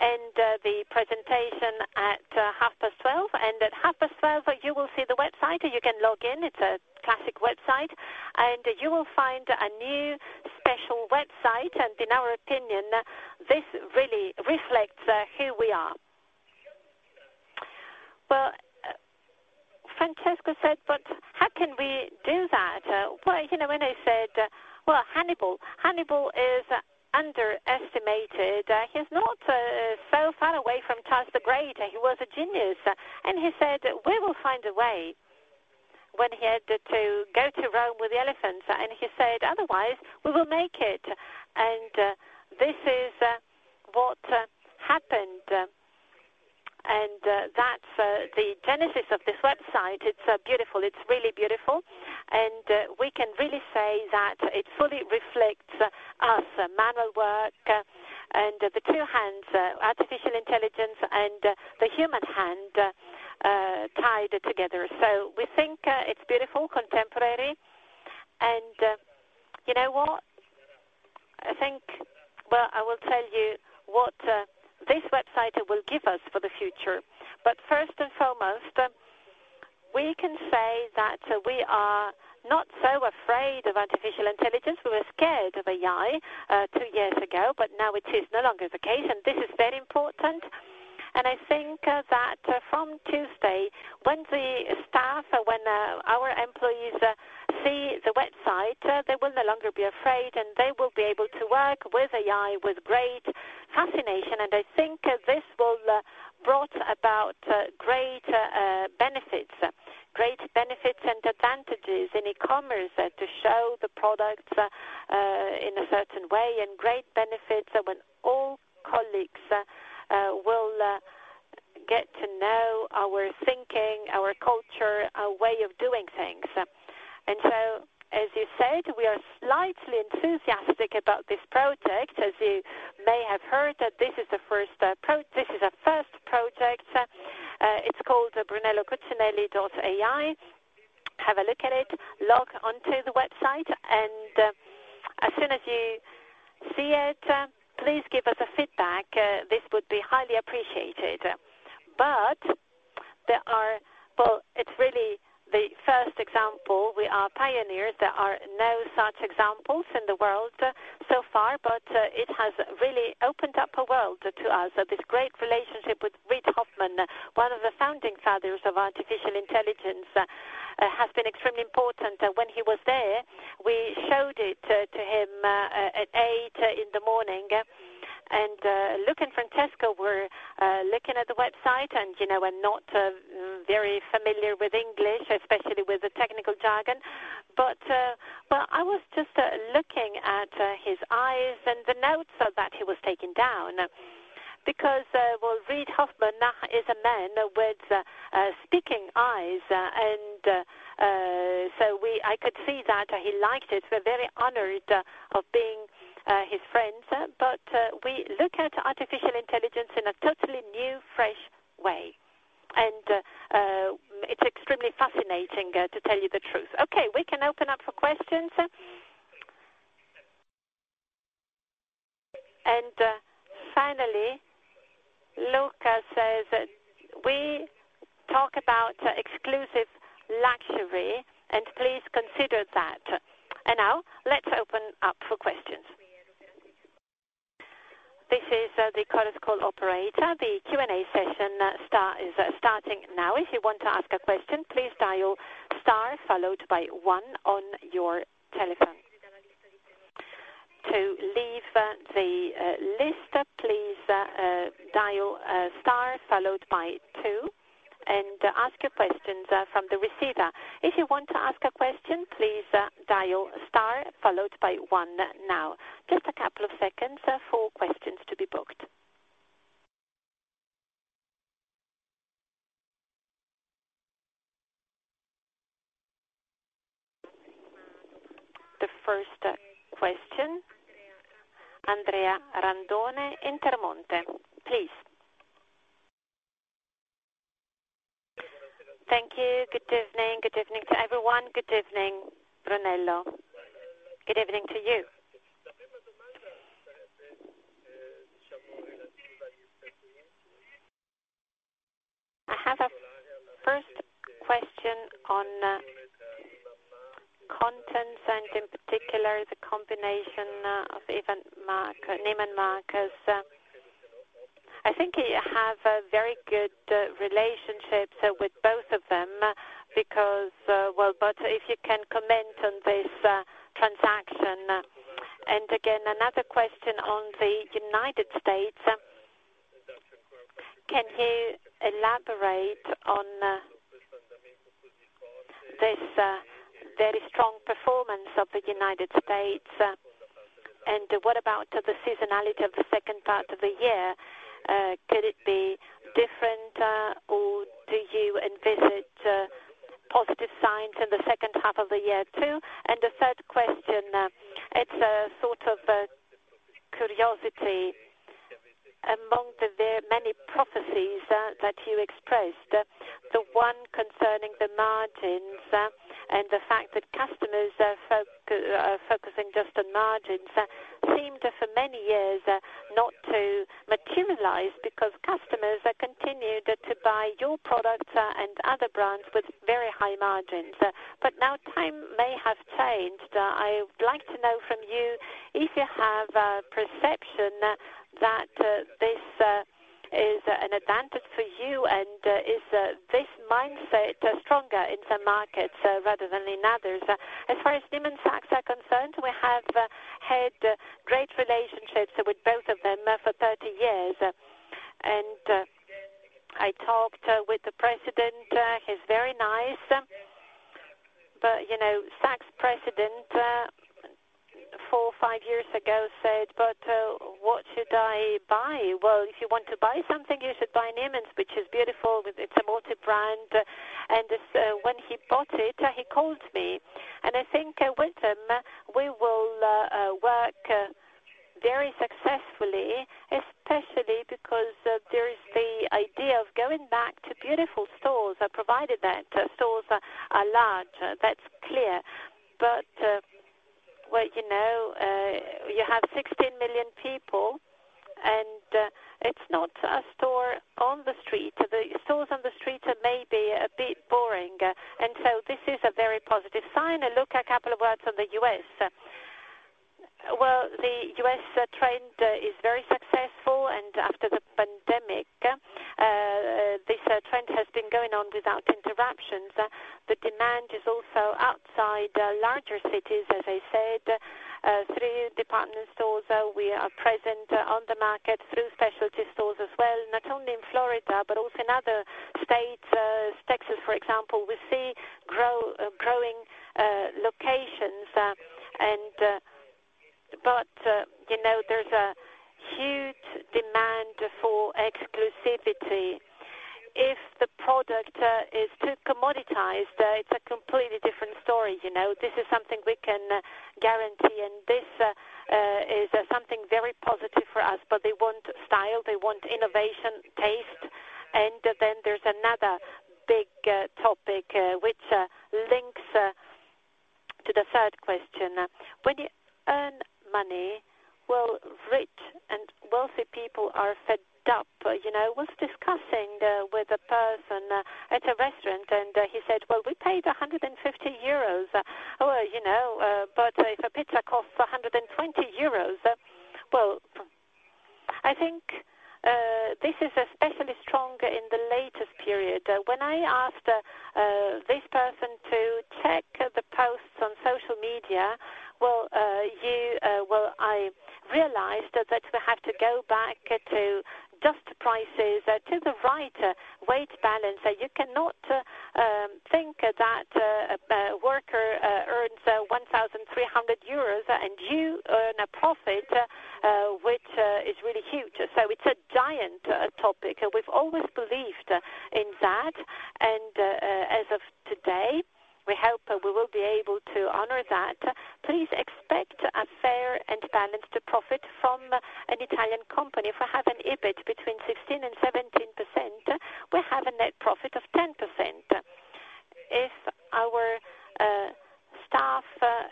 end the presentation at 12:30 P.M. At 12:30 P.M., you will see the website, and you can log in. It's a classic website, and you will find a new special website, and in our opinion, this really reflects who we are. Well, Francesco said, "But how can we do that?" Well, you know, when I said, "Well, Hannibal. Hannibal is underestimated. He's not so far away from Charles the Great. He was a genius." And he said, "We will find a way," when he had to go to Rome with the elephants, and he said, "Otherwise, we will make it." And this is what happened, and that's the genesis of this website. It's beautiful. It's really beautiful, and we can really say that it fully reflects us. Manual work. And the two hands, artificial intelligence and the human hand, tied together. So we think it's beautiful, contemporary, and you know what? I think. Well, I will tell you what, this website will give us for the future. But first and foremost, we can say that we are not so afraid of artificial intelligence. We were scared of AI two years ago, but now it is no longer the case, and this is very important. I think that from Tuesday, when the staff, when our employees see the website, they will no longer be afraid, and they will be able to work with AI with great fascination. I think this will brought about great benefits. Great benefits and advantages in e-commerce to show the products in a certain way, and great benefits when all colleagues will get to know our thinking, our culture, our way of doing things. So, as you said, we are slightly enthusiastic about this project. As you may have heard, that this is the first project, this is our first project. It's called BrunelloCucinelli.AI. Have a look at it, log onto the website, and as soon as you see it, please give us a feedback. This would be highly appreciated. But there are. Well, it's really the first example. We are pioneers. There are no such examples in the world so far, but it has really opened up a world to us. So this great relationship with Reid Hoffman, one of the founding fathers of artificial intelligence, has been extremely important. When he was there, we showed it to him at 8:00 A.M., and Luca and Francesco were looking at the website and, you know, we're not very familiar with English, especially with the technical jargon. But well, I was just looking at his eyes and the notes that he was taking down, because well, Reid Hoffman is a man with speaking eyes, and so I could see that he liked it. We're very honored of being his friends, but we look at artificial intelligence in a totally new, fresh way. And it's extremely fascinating, to tell you the truth. Okay, we can open up for questions. And finally, Luca says, "We talk about exclusive luxury, and please consider that." And now, let's open up for questions.
This is the conference call operator. The Q&A session is starting now. If you want to ask a question, please dial star followed by one on your telephone. To leave the list, please dial star followed by two and ask your questions from the receiver. If you want to ask a question, please dial star followed by one now. Just a couple of seconds for questions to be booked. The first question, Andrea Randone, Intermonte, please.
Thank you. Good evening. Good evening to everyone. Good evening, Brunello.
Good evening to you.
I have a first question on contents, and in particular, the combination of Neiman Marcus, Neiman Marcus. I think you have a very good relationship with both of them, because, well, but if you can comment on this transaction. And again, another question on the United States. Can you elaborate on this very strong performance of the United States? And what about the seasonality of the second part of the year? Could it be different, or do you envisage positive signs in the second half of the year, too? And the third question, it's a sort of a curiosity. Among the very many prophecies that you expressed, the one concerning the margins and the fact that customers are focusing just on margins seemed for many years not to materialize because customers continued to buy your products and other brands with very high margins. But now time may have changed. I would like to know from you if you have a perception that this is an advantage for you, and is this mindset stronger in some markets rather than in others?
As far as Neiman-Saks are concerned, we have had great relationships with both of them for 30 years. And I talked with the president; he's very nice. But, you know, Saks president, four or five years ago said, "But, what should I buy?" "Well, if you want to buy something, you should buy Neiman's, which is beautiful. It's a multi-brand." And, when he bought it, he called me, and I think, with him, we will work very successfully, especially because, there is the idea of going back to beautiful stores, provided that stores are large, that's clear. But, well, you know, you have 16 million people, and, it's not a store on the street. The stores on the street are maybe a bit boring, and so this is a very positive sign. And look, a couple of words on the U.S. Well, the U.S. trend is very successful, and after the pandemic, this trend has been going on without interruptions. The demand is also outside larger cities, as I said, three department stores we are present on the market, through specialty stores as well, not only in Florida, but also in other states, Texas, for example. We see grow growing locations and. But, you know, there's a huge demand for exclusivity. If the product is too commoditized, it's a completely different story, you know? This is something we can guarantee, and this is something very positive for us. But they want style, they want innovation, taste. And then there's another big topic, which links to the third question. When you earn money, well, rich and wealthy people are fed up. You know, I was discussing with a person at a restaurant, and he said, "Well, we paid 150 euros." Well, you know, but if a pizza costs 120 euros, well, I think this is especially stronger in the latest period. When I asked this person to check the posts on social media, well, I realized that we have to go back to just prices to the right weight balance. You cannot think that a worker earns 1,300 euros, and you earn a profit which is really huge. So it's a giant topic. We've always believed in that, and as of today, we hope we will be able to honor that. Please expect a fair and balanced profit from an Italian company. If I have an EBIT between 16% and 17%, we have a net profit of 10%. If our staff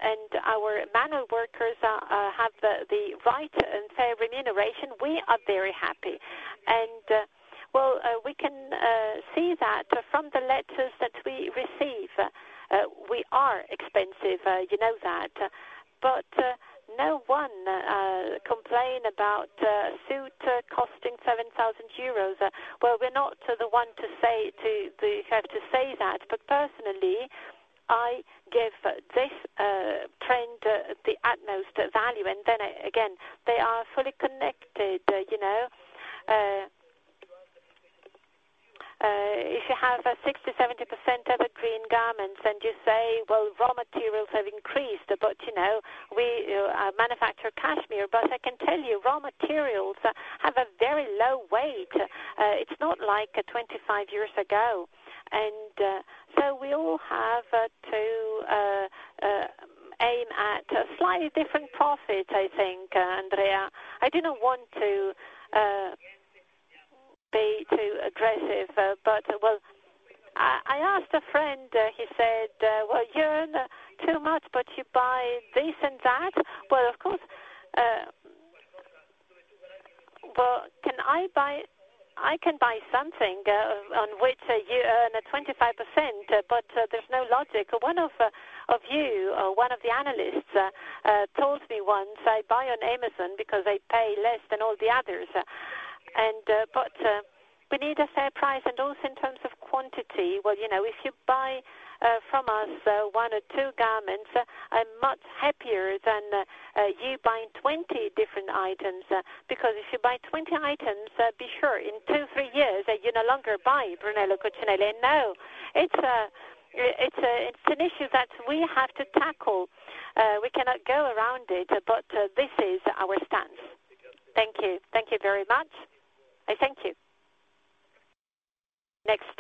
and our manual workers have the right and fair remuneration, we are very happy. And well, we can see that from the letters that we receive. We are expensive, you know that, but no one complain about a suit costing 7,000 euros. Well, we're not the one to say to have to say that, but personally, I give this trend the utmost value, and then again, they are fully connected, you know? If you have a 60%-70% of the green garments and you say, well, raw materials have increased, but you know, we manufacture cashmere, but I can tell you, raw materials have a very low weight. It's not like 25 years ago. And so we all have to aim at a slightly different profit, I think, Andrea. I didn't want to be too aggressive, but well, I asked a friend, he said, "Well, you earn too much, but you buy this and that." Well, of course, well, can I buy—I can buy something on which you earn a 25%, but there's no logic. One of you, one of the analysts, told me once, "I buy on Amazon because they pay less than all the others." But we need a fair price, and also in terms of quantity, well, you know, if you buy from us, one or two garments, I'm much happier than you buying 20 different items, because if you buy 20 items, be sure in two, three years, that you no longer buy Brunello Cucinelli. No, it's an issue that we have to tackle. We cannot go around it, but this is our stance.
Thank you. Thank you very much.
I thank you.
Next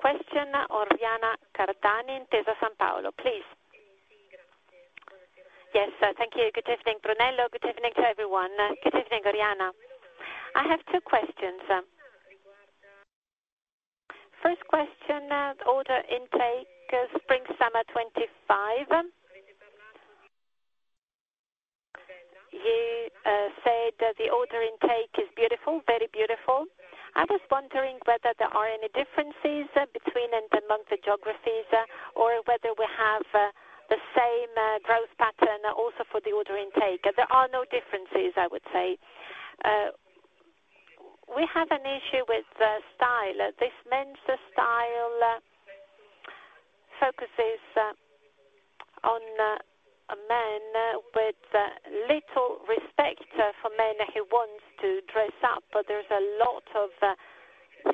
question, Oriana Cardani, Intesa Sanpaolo, please.
Yes, thank you. Good evening, Brunello. Good evening to everyone.
Good evening, Oriana.
I have two questions. First question, order intake, Spring/Summer 2025. You said that the order intake is beautiful, very beautiful. I was wondering whether there are any differences between and among the geographies, or whether we have the same growth pattern also for the order intake?
There are no differences, I would say. We have an issue with the style. This men's style focuses on men with little respect for men who wants to dress up, but there's a lot of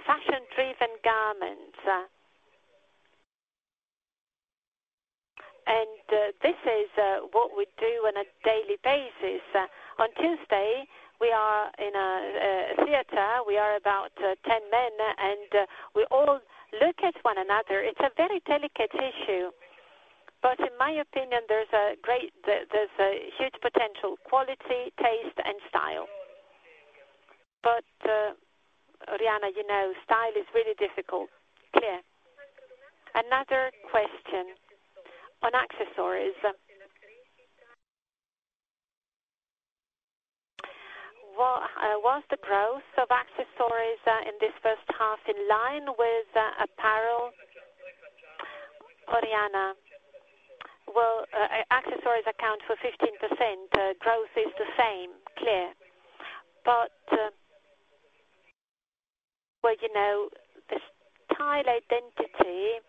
fashion-driven garments. And this is what we do on a daily basis. On Tuesday, we are in a theater. We are about 10 men, and we all look at one another. It's a very delicate issue. But in my opinion, there's a great, there, there's a huge potential, quality, taste, and style. But, Oriana, you know, style is really difficult.
Clear. Another question on accessories. What was the growth of accessories in this first half in line with apparel?
Oriana. Well, accessories account for 15%. Growth is the same. Clear. But, well, you know, the style identity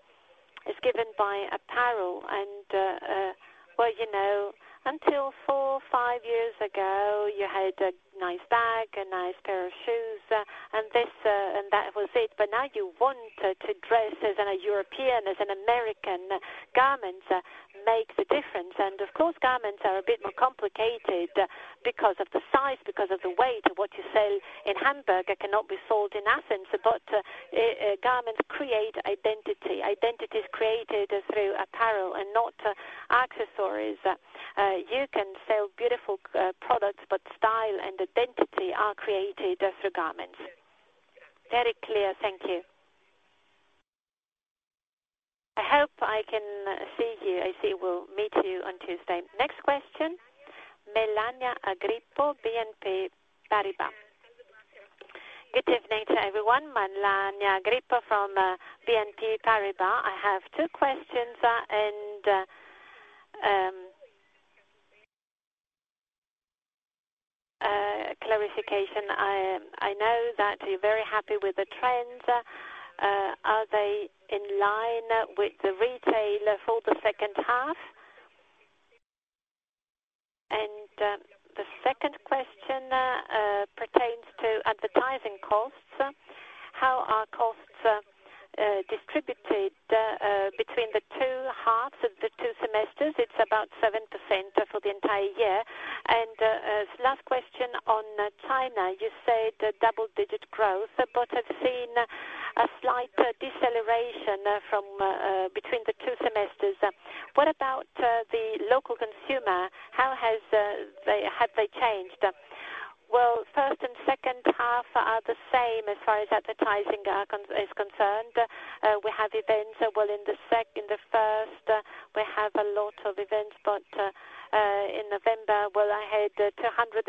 is given by apparel, and, well, you know, until four, five years ago, you had a nice bag, a nice pair of shoes, and this, and that was it. But now you want to dress as a European, as an American. Garments make the difference, and of course, garments are a bit more complicated because of the size, because of the weight. What you sell in Hamburg cannot be sold in Athens, but garments create identity. Identity is created through apparel and not accessories. You can sell beautiful products, but style and identity are created through garments.
Very clear. Thank you. I hope I can see you. I see we'll meet you on Tuesday.
Next question, Melania Grippo, BNP Paribas.
Good evening to everyone. Melania Grippo from BNP Paribas. I have two questions and clarification. I know that you're very happy with the trends. Are they in line with the retail for the second half? And the second question pertains to advertising costs. How are costs distributed between the two halves of the two semesters? It's about 7% for the entire year. And last question on China. You said double-digit growth, but I've seen a slight deceleration from between the two semesters. What about the local consumer? How has they have they changed?
Well, first and second half are the same as far as advertising is concerned. We have events, well, in the first, we have a lot of events, but, in November, well, I had 295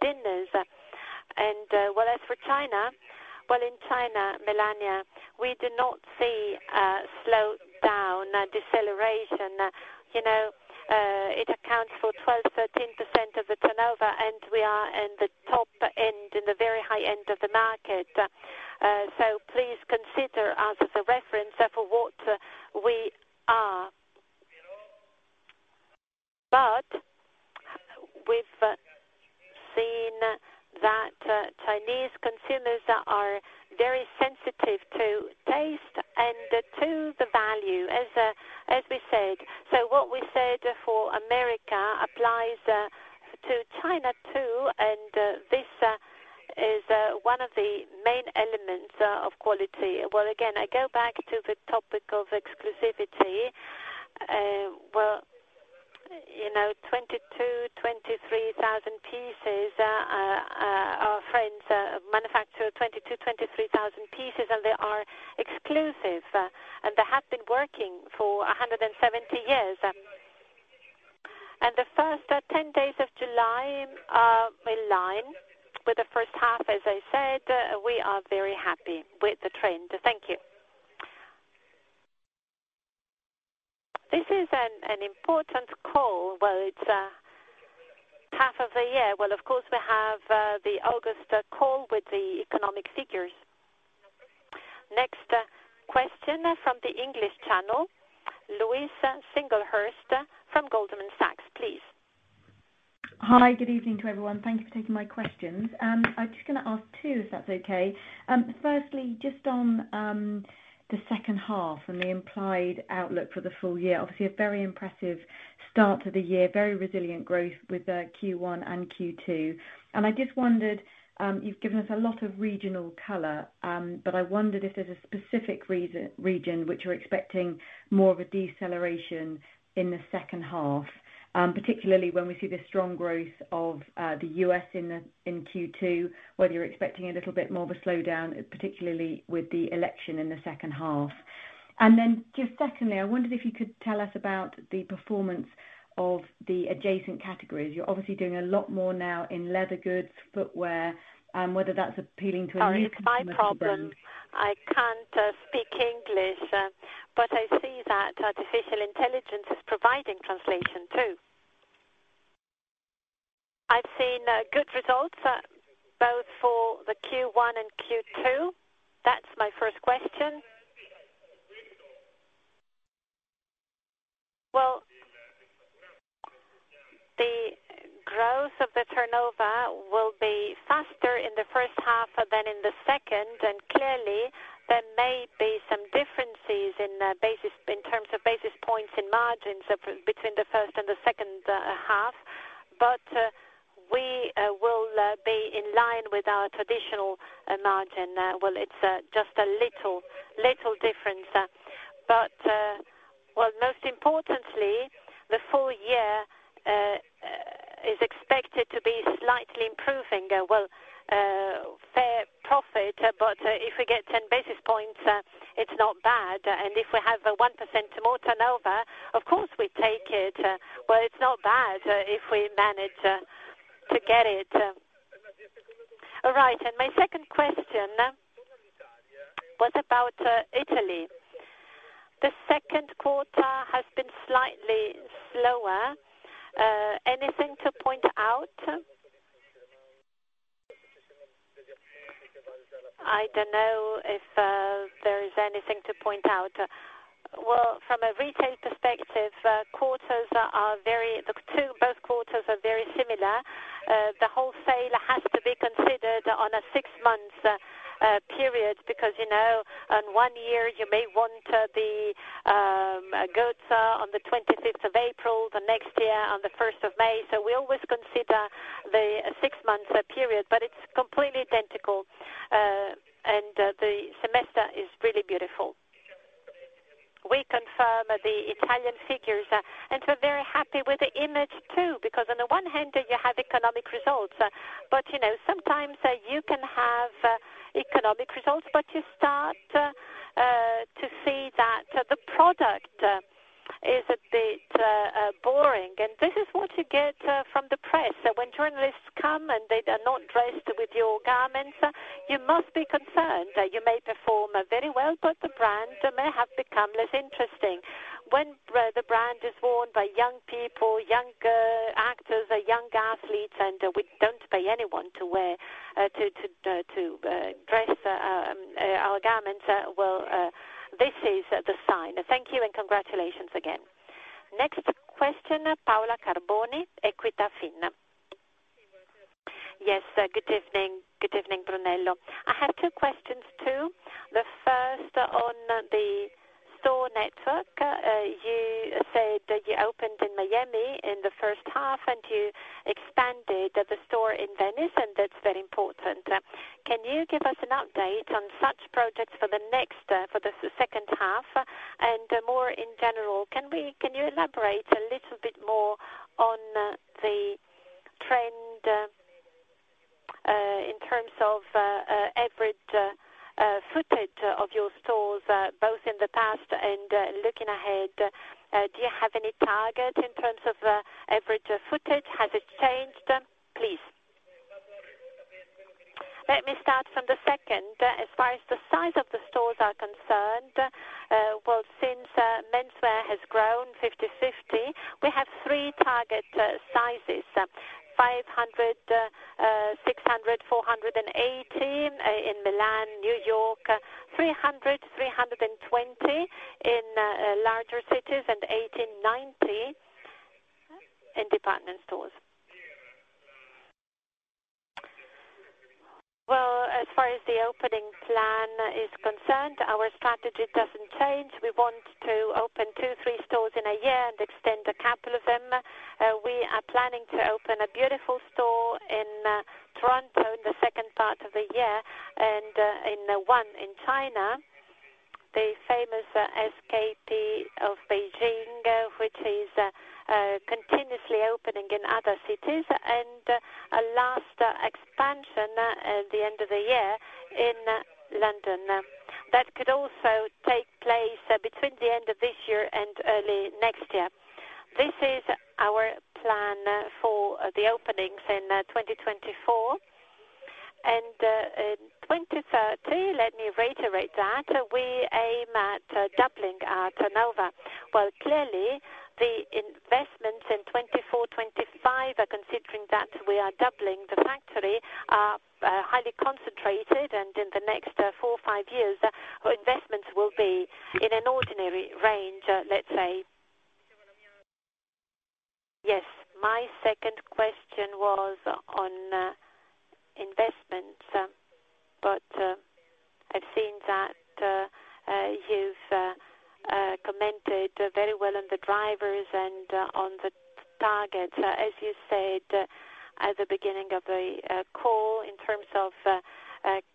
dinners. And, well, as for China, well, in China, Melania, we do not see a slowdown, a deceleration. You know, it accounts for 12%-13% of the turnover, and we are in the top end, in the very high end of the market. So please consider us as a reference of what we are. But we've seen that, Chinese consumers are very sensitive to taste and to the value, as, as we said. So what we said for America applies to China, too, and, this is one of the main elements of quality. Well, again, I go back to the topic of exclusivity. Well, you know, 22,000-23,000 pieces, our friends manufacture 22,000-23,000 pieces, and they are exclusive, and they have been working for 170 years. The first 10 days of July are in line with the first half. As I said, we are very happy with the trend.
Thank you.
This is an important call. Well, it's half of the year. Well, of course, we have the August call with the economic figures.
Next question from the english channel, Louise Singlehurst from Goldman Sachs, please.
Hi, good evening to everyone. Thank you for taking my questions. I'm just gonna ask two, if that's okay. Firstly, just on the second half and the implied outlook for the full year. Obviously, a very impressive start to the year, very resilient growth with Q1 and Q2. I just wondered, you've given us a lot of regional color, but I wondered if there's a specific region which you're expecting more of a deceleration in the second half, particularly when we see the strong growth of the U.S. in Q2, whether you're expecting a little bit more of a slowdown, particularly with the election in the second half. And then just secondly, I wondered if you could tell us about the performance of the adjacent categories. You're obviously doing a lot more now in leather goods, footwear, whether that's appealing to a new customer base.
Sorry, it's my problem. I can't speak English, but I see that artificial intelligence is providing translation, too. I've seen good results both for the Q1 and Q2.
That's my first question.
Well, the growth of the turnover will be faster in the first half than in the second, and clearly, there may be some differences in basis, in terms of basis points in margins between the first and the second half. But we will be in line with our traditional margin. Well, it's just a little difference. But well, most importantly, the full year is expected to be slightly improving. Well, fair profit, but if we get 10 basis points, it's not bad. And if we have a 1% more turnover, of course, we take it. Well, it's not bad if we manage to get it.
All right, and my second question was about Italy. The second quarter has been slightly slower. Anything to point out?
I don't know if there is anything to point out. Well, from a retail perspective, quarters are, are very, the two, both quarters are very similar. The wholesale has to be considered on a six months period, because, you know, on one year you may want the goods on the 26th of April, the next year, on the 1st of May. So we always consider the six months period, but it's completely identical, and the semester is really beautiful. We confirm the Italian figures, and we're very happy with the image, too, because on the one hand, you have economic results. But, you know, sometimes, you can have economic results, but you start to see that the product is a bit boring. And this is what you get from the press. So when journalists come and they are not dressed with your garments, you must be concerned that you may perform very well, but the brand may have become less interesting. When the brand is worn by young people, young actors, young athletes, and we don't pay anyone to wear to dress our garments, well, this is the sign.
Thank you and congratulations again.
Next question, Paola Carboni, EQUITA.
Yes, good evening. Good evening, Brunello. I have two questions, too. The first on the store network. You said that you opened in Miami in the first half, and you expanded the store in Venice, and that's very important. Can you give us an update on such projects for the next, for the second half? And, more in general, can we, can you elaborate a little bit more on the trend in terms of average footage of your stores, both in the past and looking ahead, do you have any target in terms of average footage? Has it changed, please?
Let me start from the second. As far as the size of the stores are concerned, well, since menswear has grown 50/50, we have three target sizes. 500, 600, 480 in Milan, New York, 300, 320 in larger cities, and 80, 90 in department stores. Well, as far as the opening plan is concerned, our strategy doesn't change. We want to open 2, 3 stores in a year and extend a couple of them. We are planning to open a beautiful store in Toronto in the second part of the year and in one in China, the famous SKP of Beijing, which is continuously opening in other cities, and a last expansion at the end of the year in London. That could also take place between the end of this year and early next year. This is our plan for the openings in 2024. In 2030, let me reiterate that, we aim at doubling our turnover. Well, clearly, the investments in 2024, 2025, are considering that we are doubling the factory, are highly concentrated, and in the next 4-5 years, investments will be in an ordinary range, let's say.
Yes. My second question was on investments, but I've seen that you've commented very well on the drivers and on the targets. As you said, at the beginning of the call, in terms of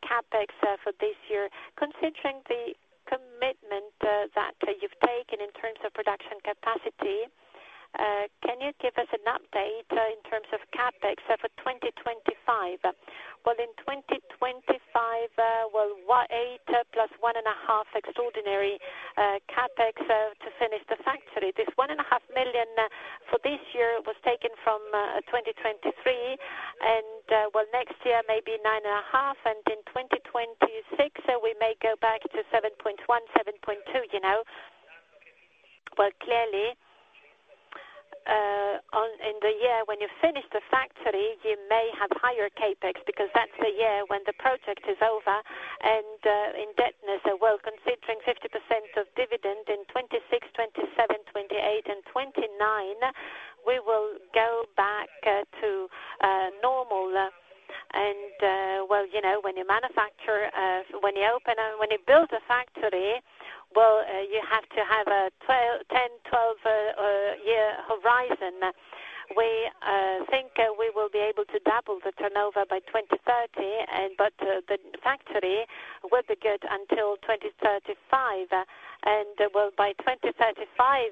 CapEx for this year, considering the commitment that you've taken in terms of production capacity, can you give us an update in terms of CapEx for 2025?
Well, in 2025, well, 1.8 plus 1.5 extraordinary CapEx to finish the factory. This 1.5 million for this year was taken from 2023, and, well, next year, maybe 9.5, and in 2026, we may go back to 7.1, 7.2, you know. Well, clearly, in the year when you finish the factory, you may have higher CapEx because that's the year when the project is over and indebtedness. Well, considering 50% of dividend in 2026, 2027, 2028 and 2029, we will go back to normal. And, well, you know, when you manufacture, when you open and when you build a factory, well, you have to have a 10-12 year horizon. We think we will be able to double the turnover by 2030, and but the factory will be good until 2035. And well, by 2035,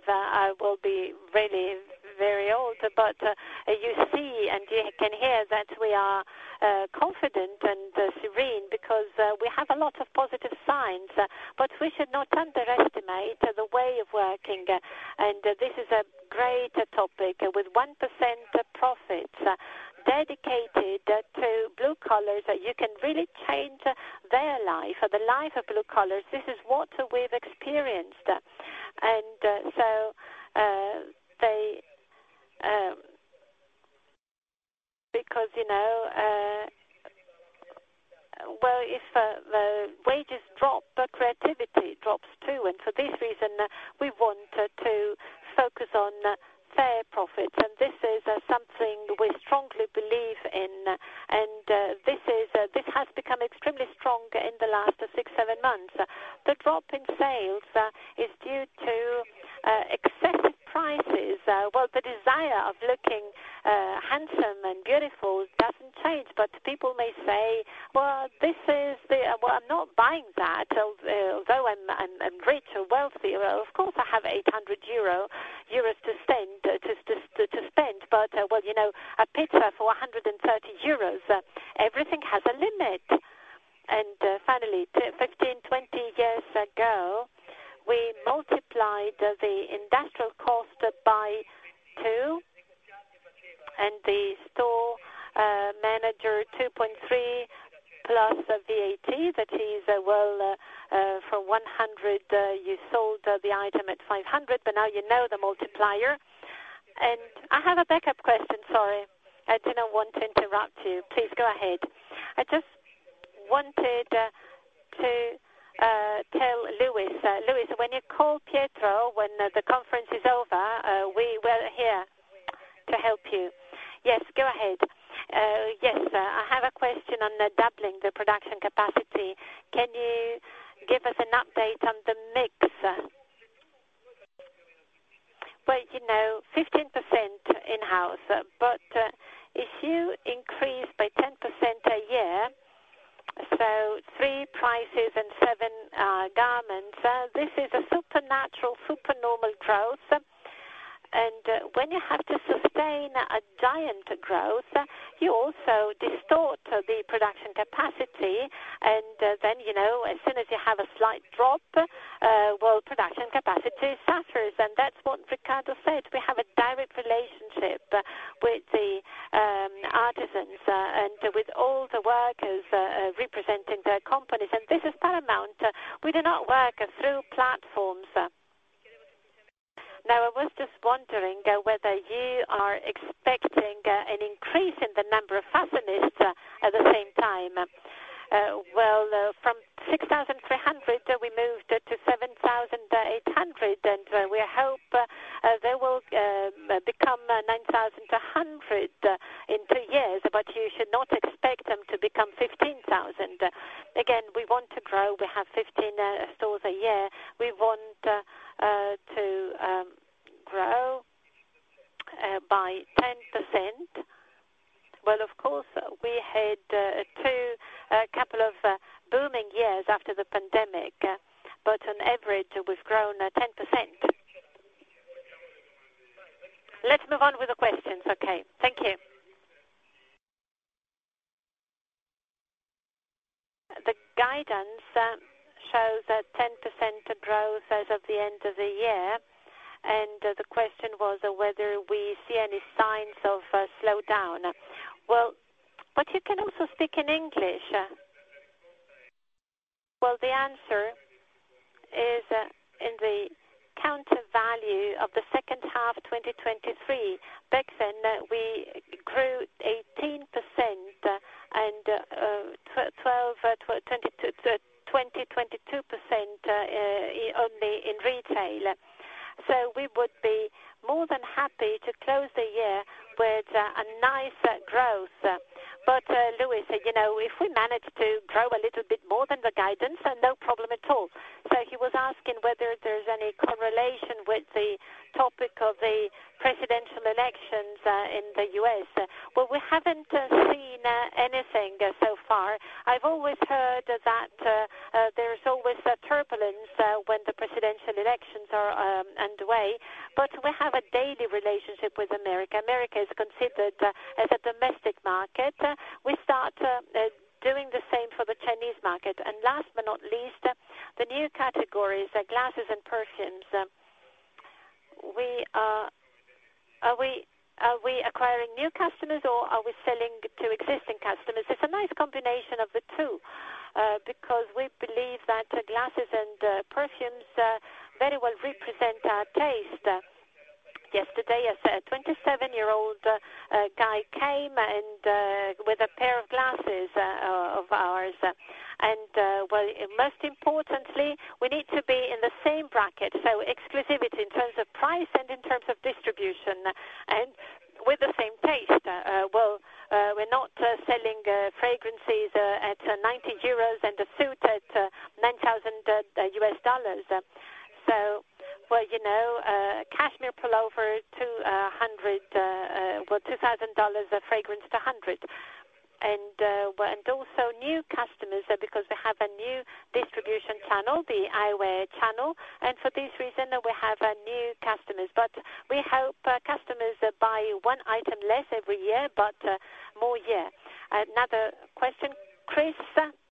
I will be really very old. But you see, and you can hear that we are confident and serene because we have a lot of positive signs, but we should not underestimate the way of working. And this is a great topic, with 1% profits dedicated to blue collars, you can really change their life or the life of blue collars. This is what we've experienced. And so they because, you know, well, if the wages drop, but creativity drops, too. For this reason, we want to focus on fair profits, and this is something we strongly believe in, and this is this has become extremely strong in the last 6, 7 months. The drop in sales is due to excessive prices. Well, the desire of looking handsome and beautiful doesn't change, but people may say, "Well, this is the. Well, I'm not buying that, although I'm rich or wealthy. Well, of course, I have 800 euro to spend, but well, you know, a pizza for 130 euros, everything has a limit." Finally, 15, 20 years ago, we multiplied the industrial cost by 2, and the store manager, 2.3 plus VAT, that is, well, for 100, you sold the item at 500, but now you know the multiplier.
I have a backup question, sorry. I did not want to interrupt you. Please go ahead.
I just wanted to tell Louise, when you call Pietro, when the conference is over, we were here to help you. Yes, go ahead.
Yes, I have a question on the doubling the production capacity. Can you give us an update on the mix?
Well, you know, 15% in-house, but if you increase by 10% a year, so 3 pieces and 7 garments, this is a supernatural, supernormal growth. And when you have to sustain a giant growth, you also distort the production capacity, and then, you know, as soon as you have a slight drop, well, production capacity suffers. And that's what Riccardo said, we have a direct relationship with the artisans and with all the workers representing their companies, and this is paramount. We do not work through platforms. Now, I was just wondering whether you are expecting an increase in the number of façonniers at the same time? Well, from 6,300, we moved to 7,800, and we hope they will become 9,100 in two years, but you should not expect them to become 15,000. Again, we want to grow. We have 15 stores a year. We want to grow by 10%. Well, of course, we had two, a couple of booming years after the pandemic, but on average, we've grown 10%. Let's move on with the questions.
Okay. Thank you.
The guidance shows a 10% growth as of the end of the year, and the question was whether we see any signs of a slowdown. Well, but you can also speak in English. Well, the answer is, in the counter value of the second half of 2023, back then, we grew 18%, and 20%-22% only in retail. So we would be more than happy to close the year with a nice growth. But, Louise, you know, if we manage to grow a little bit more than the guidance, no problem at all. So he was asking whether there's any correlation with the topic of the presidential elections in the U.S. Well, we haven't seen anything so far. I've always heard that there's always a turbulence when the presidential elections are underway, but we have a daily relationship with America. America is considered as a domestic market. We start doing the same for the Chinese market. Last but not least, the new categories, the glasses and perfumes. Are we acquiring new customers or are we selling to existing customers? It's a nice combination of the two, because we believe that glasses and perfumes very well represent our taste. Yesterday, a 27-year-old guy came and with a pair of glasses of ours. Well, most importantly, we need to be in the same bracket, so exclusivity in terms of price and in terms of distribution, and with the same taste. Well, we're not selling fragrances at 90 euros and a suit at $9,000. So, well, you know, cashmere pullover $2,000, a fragrance to 100. Well, and also new customers, because we have a new distribution channel, the eyewear channel, and for this reason, we have new customers. But we help customers buy one item less every year, but more year. Another question, Chris?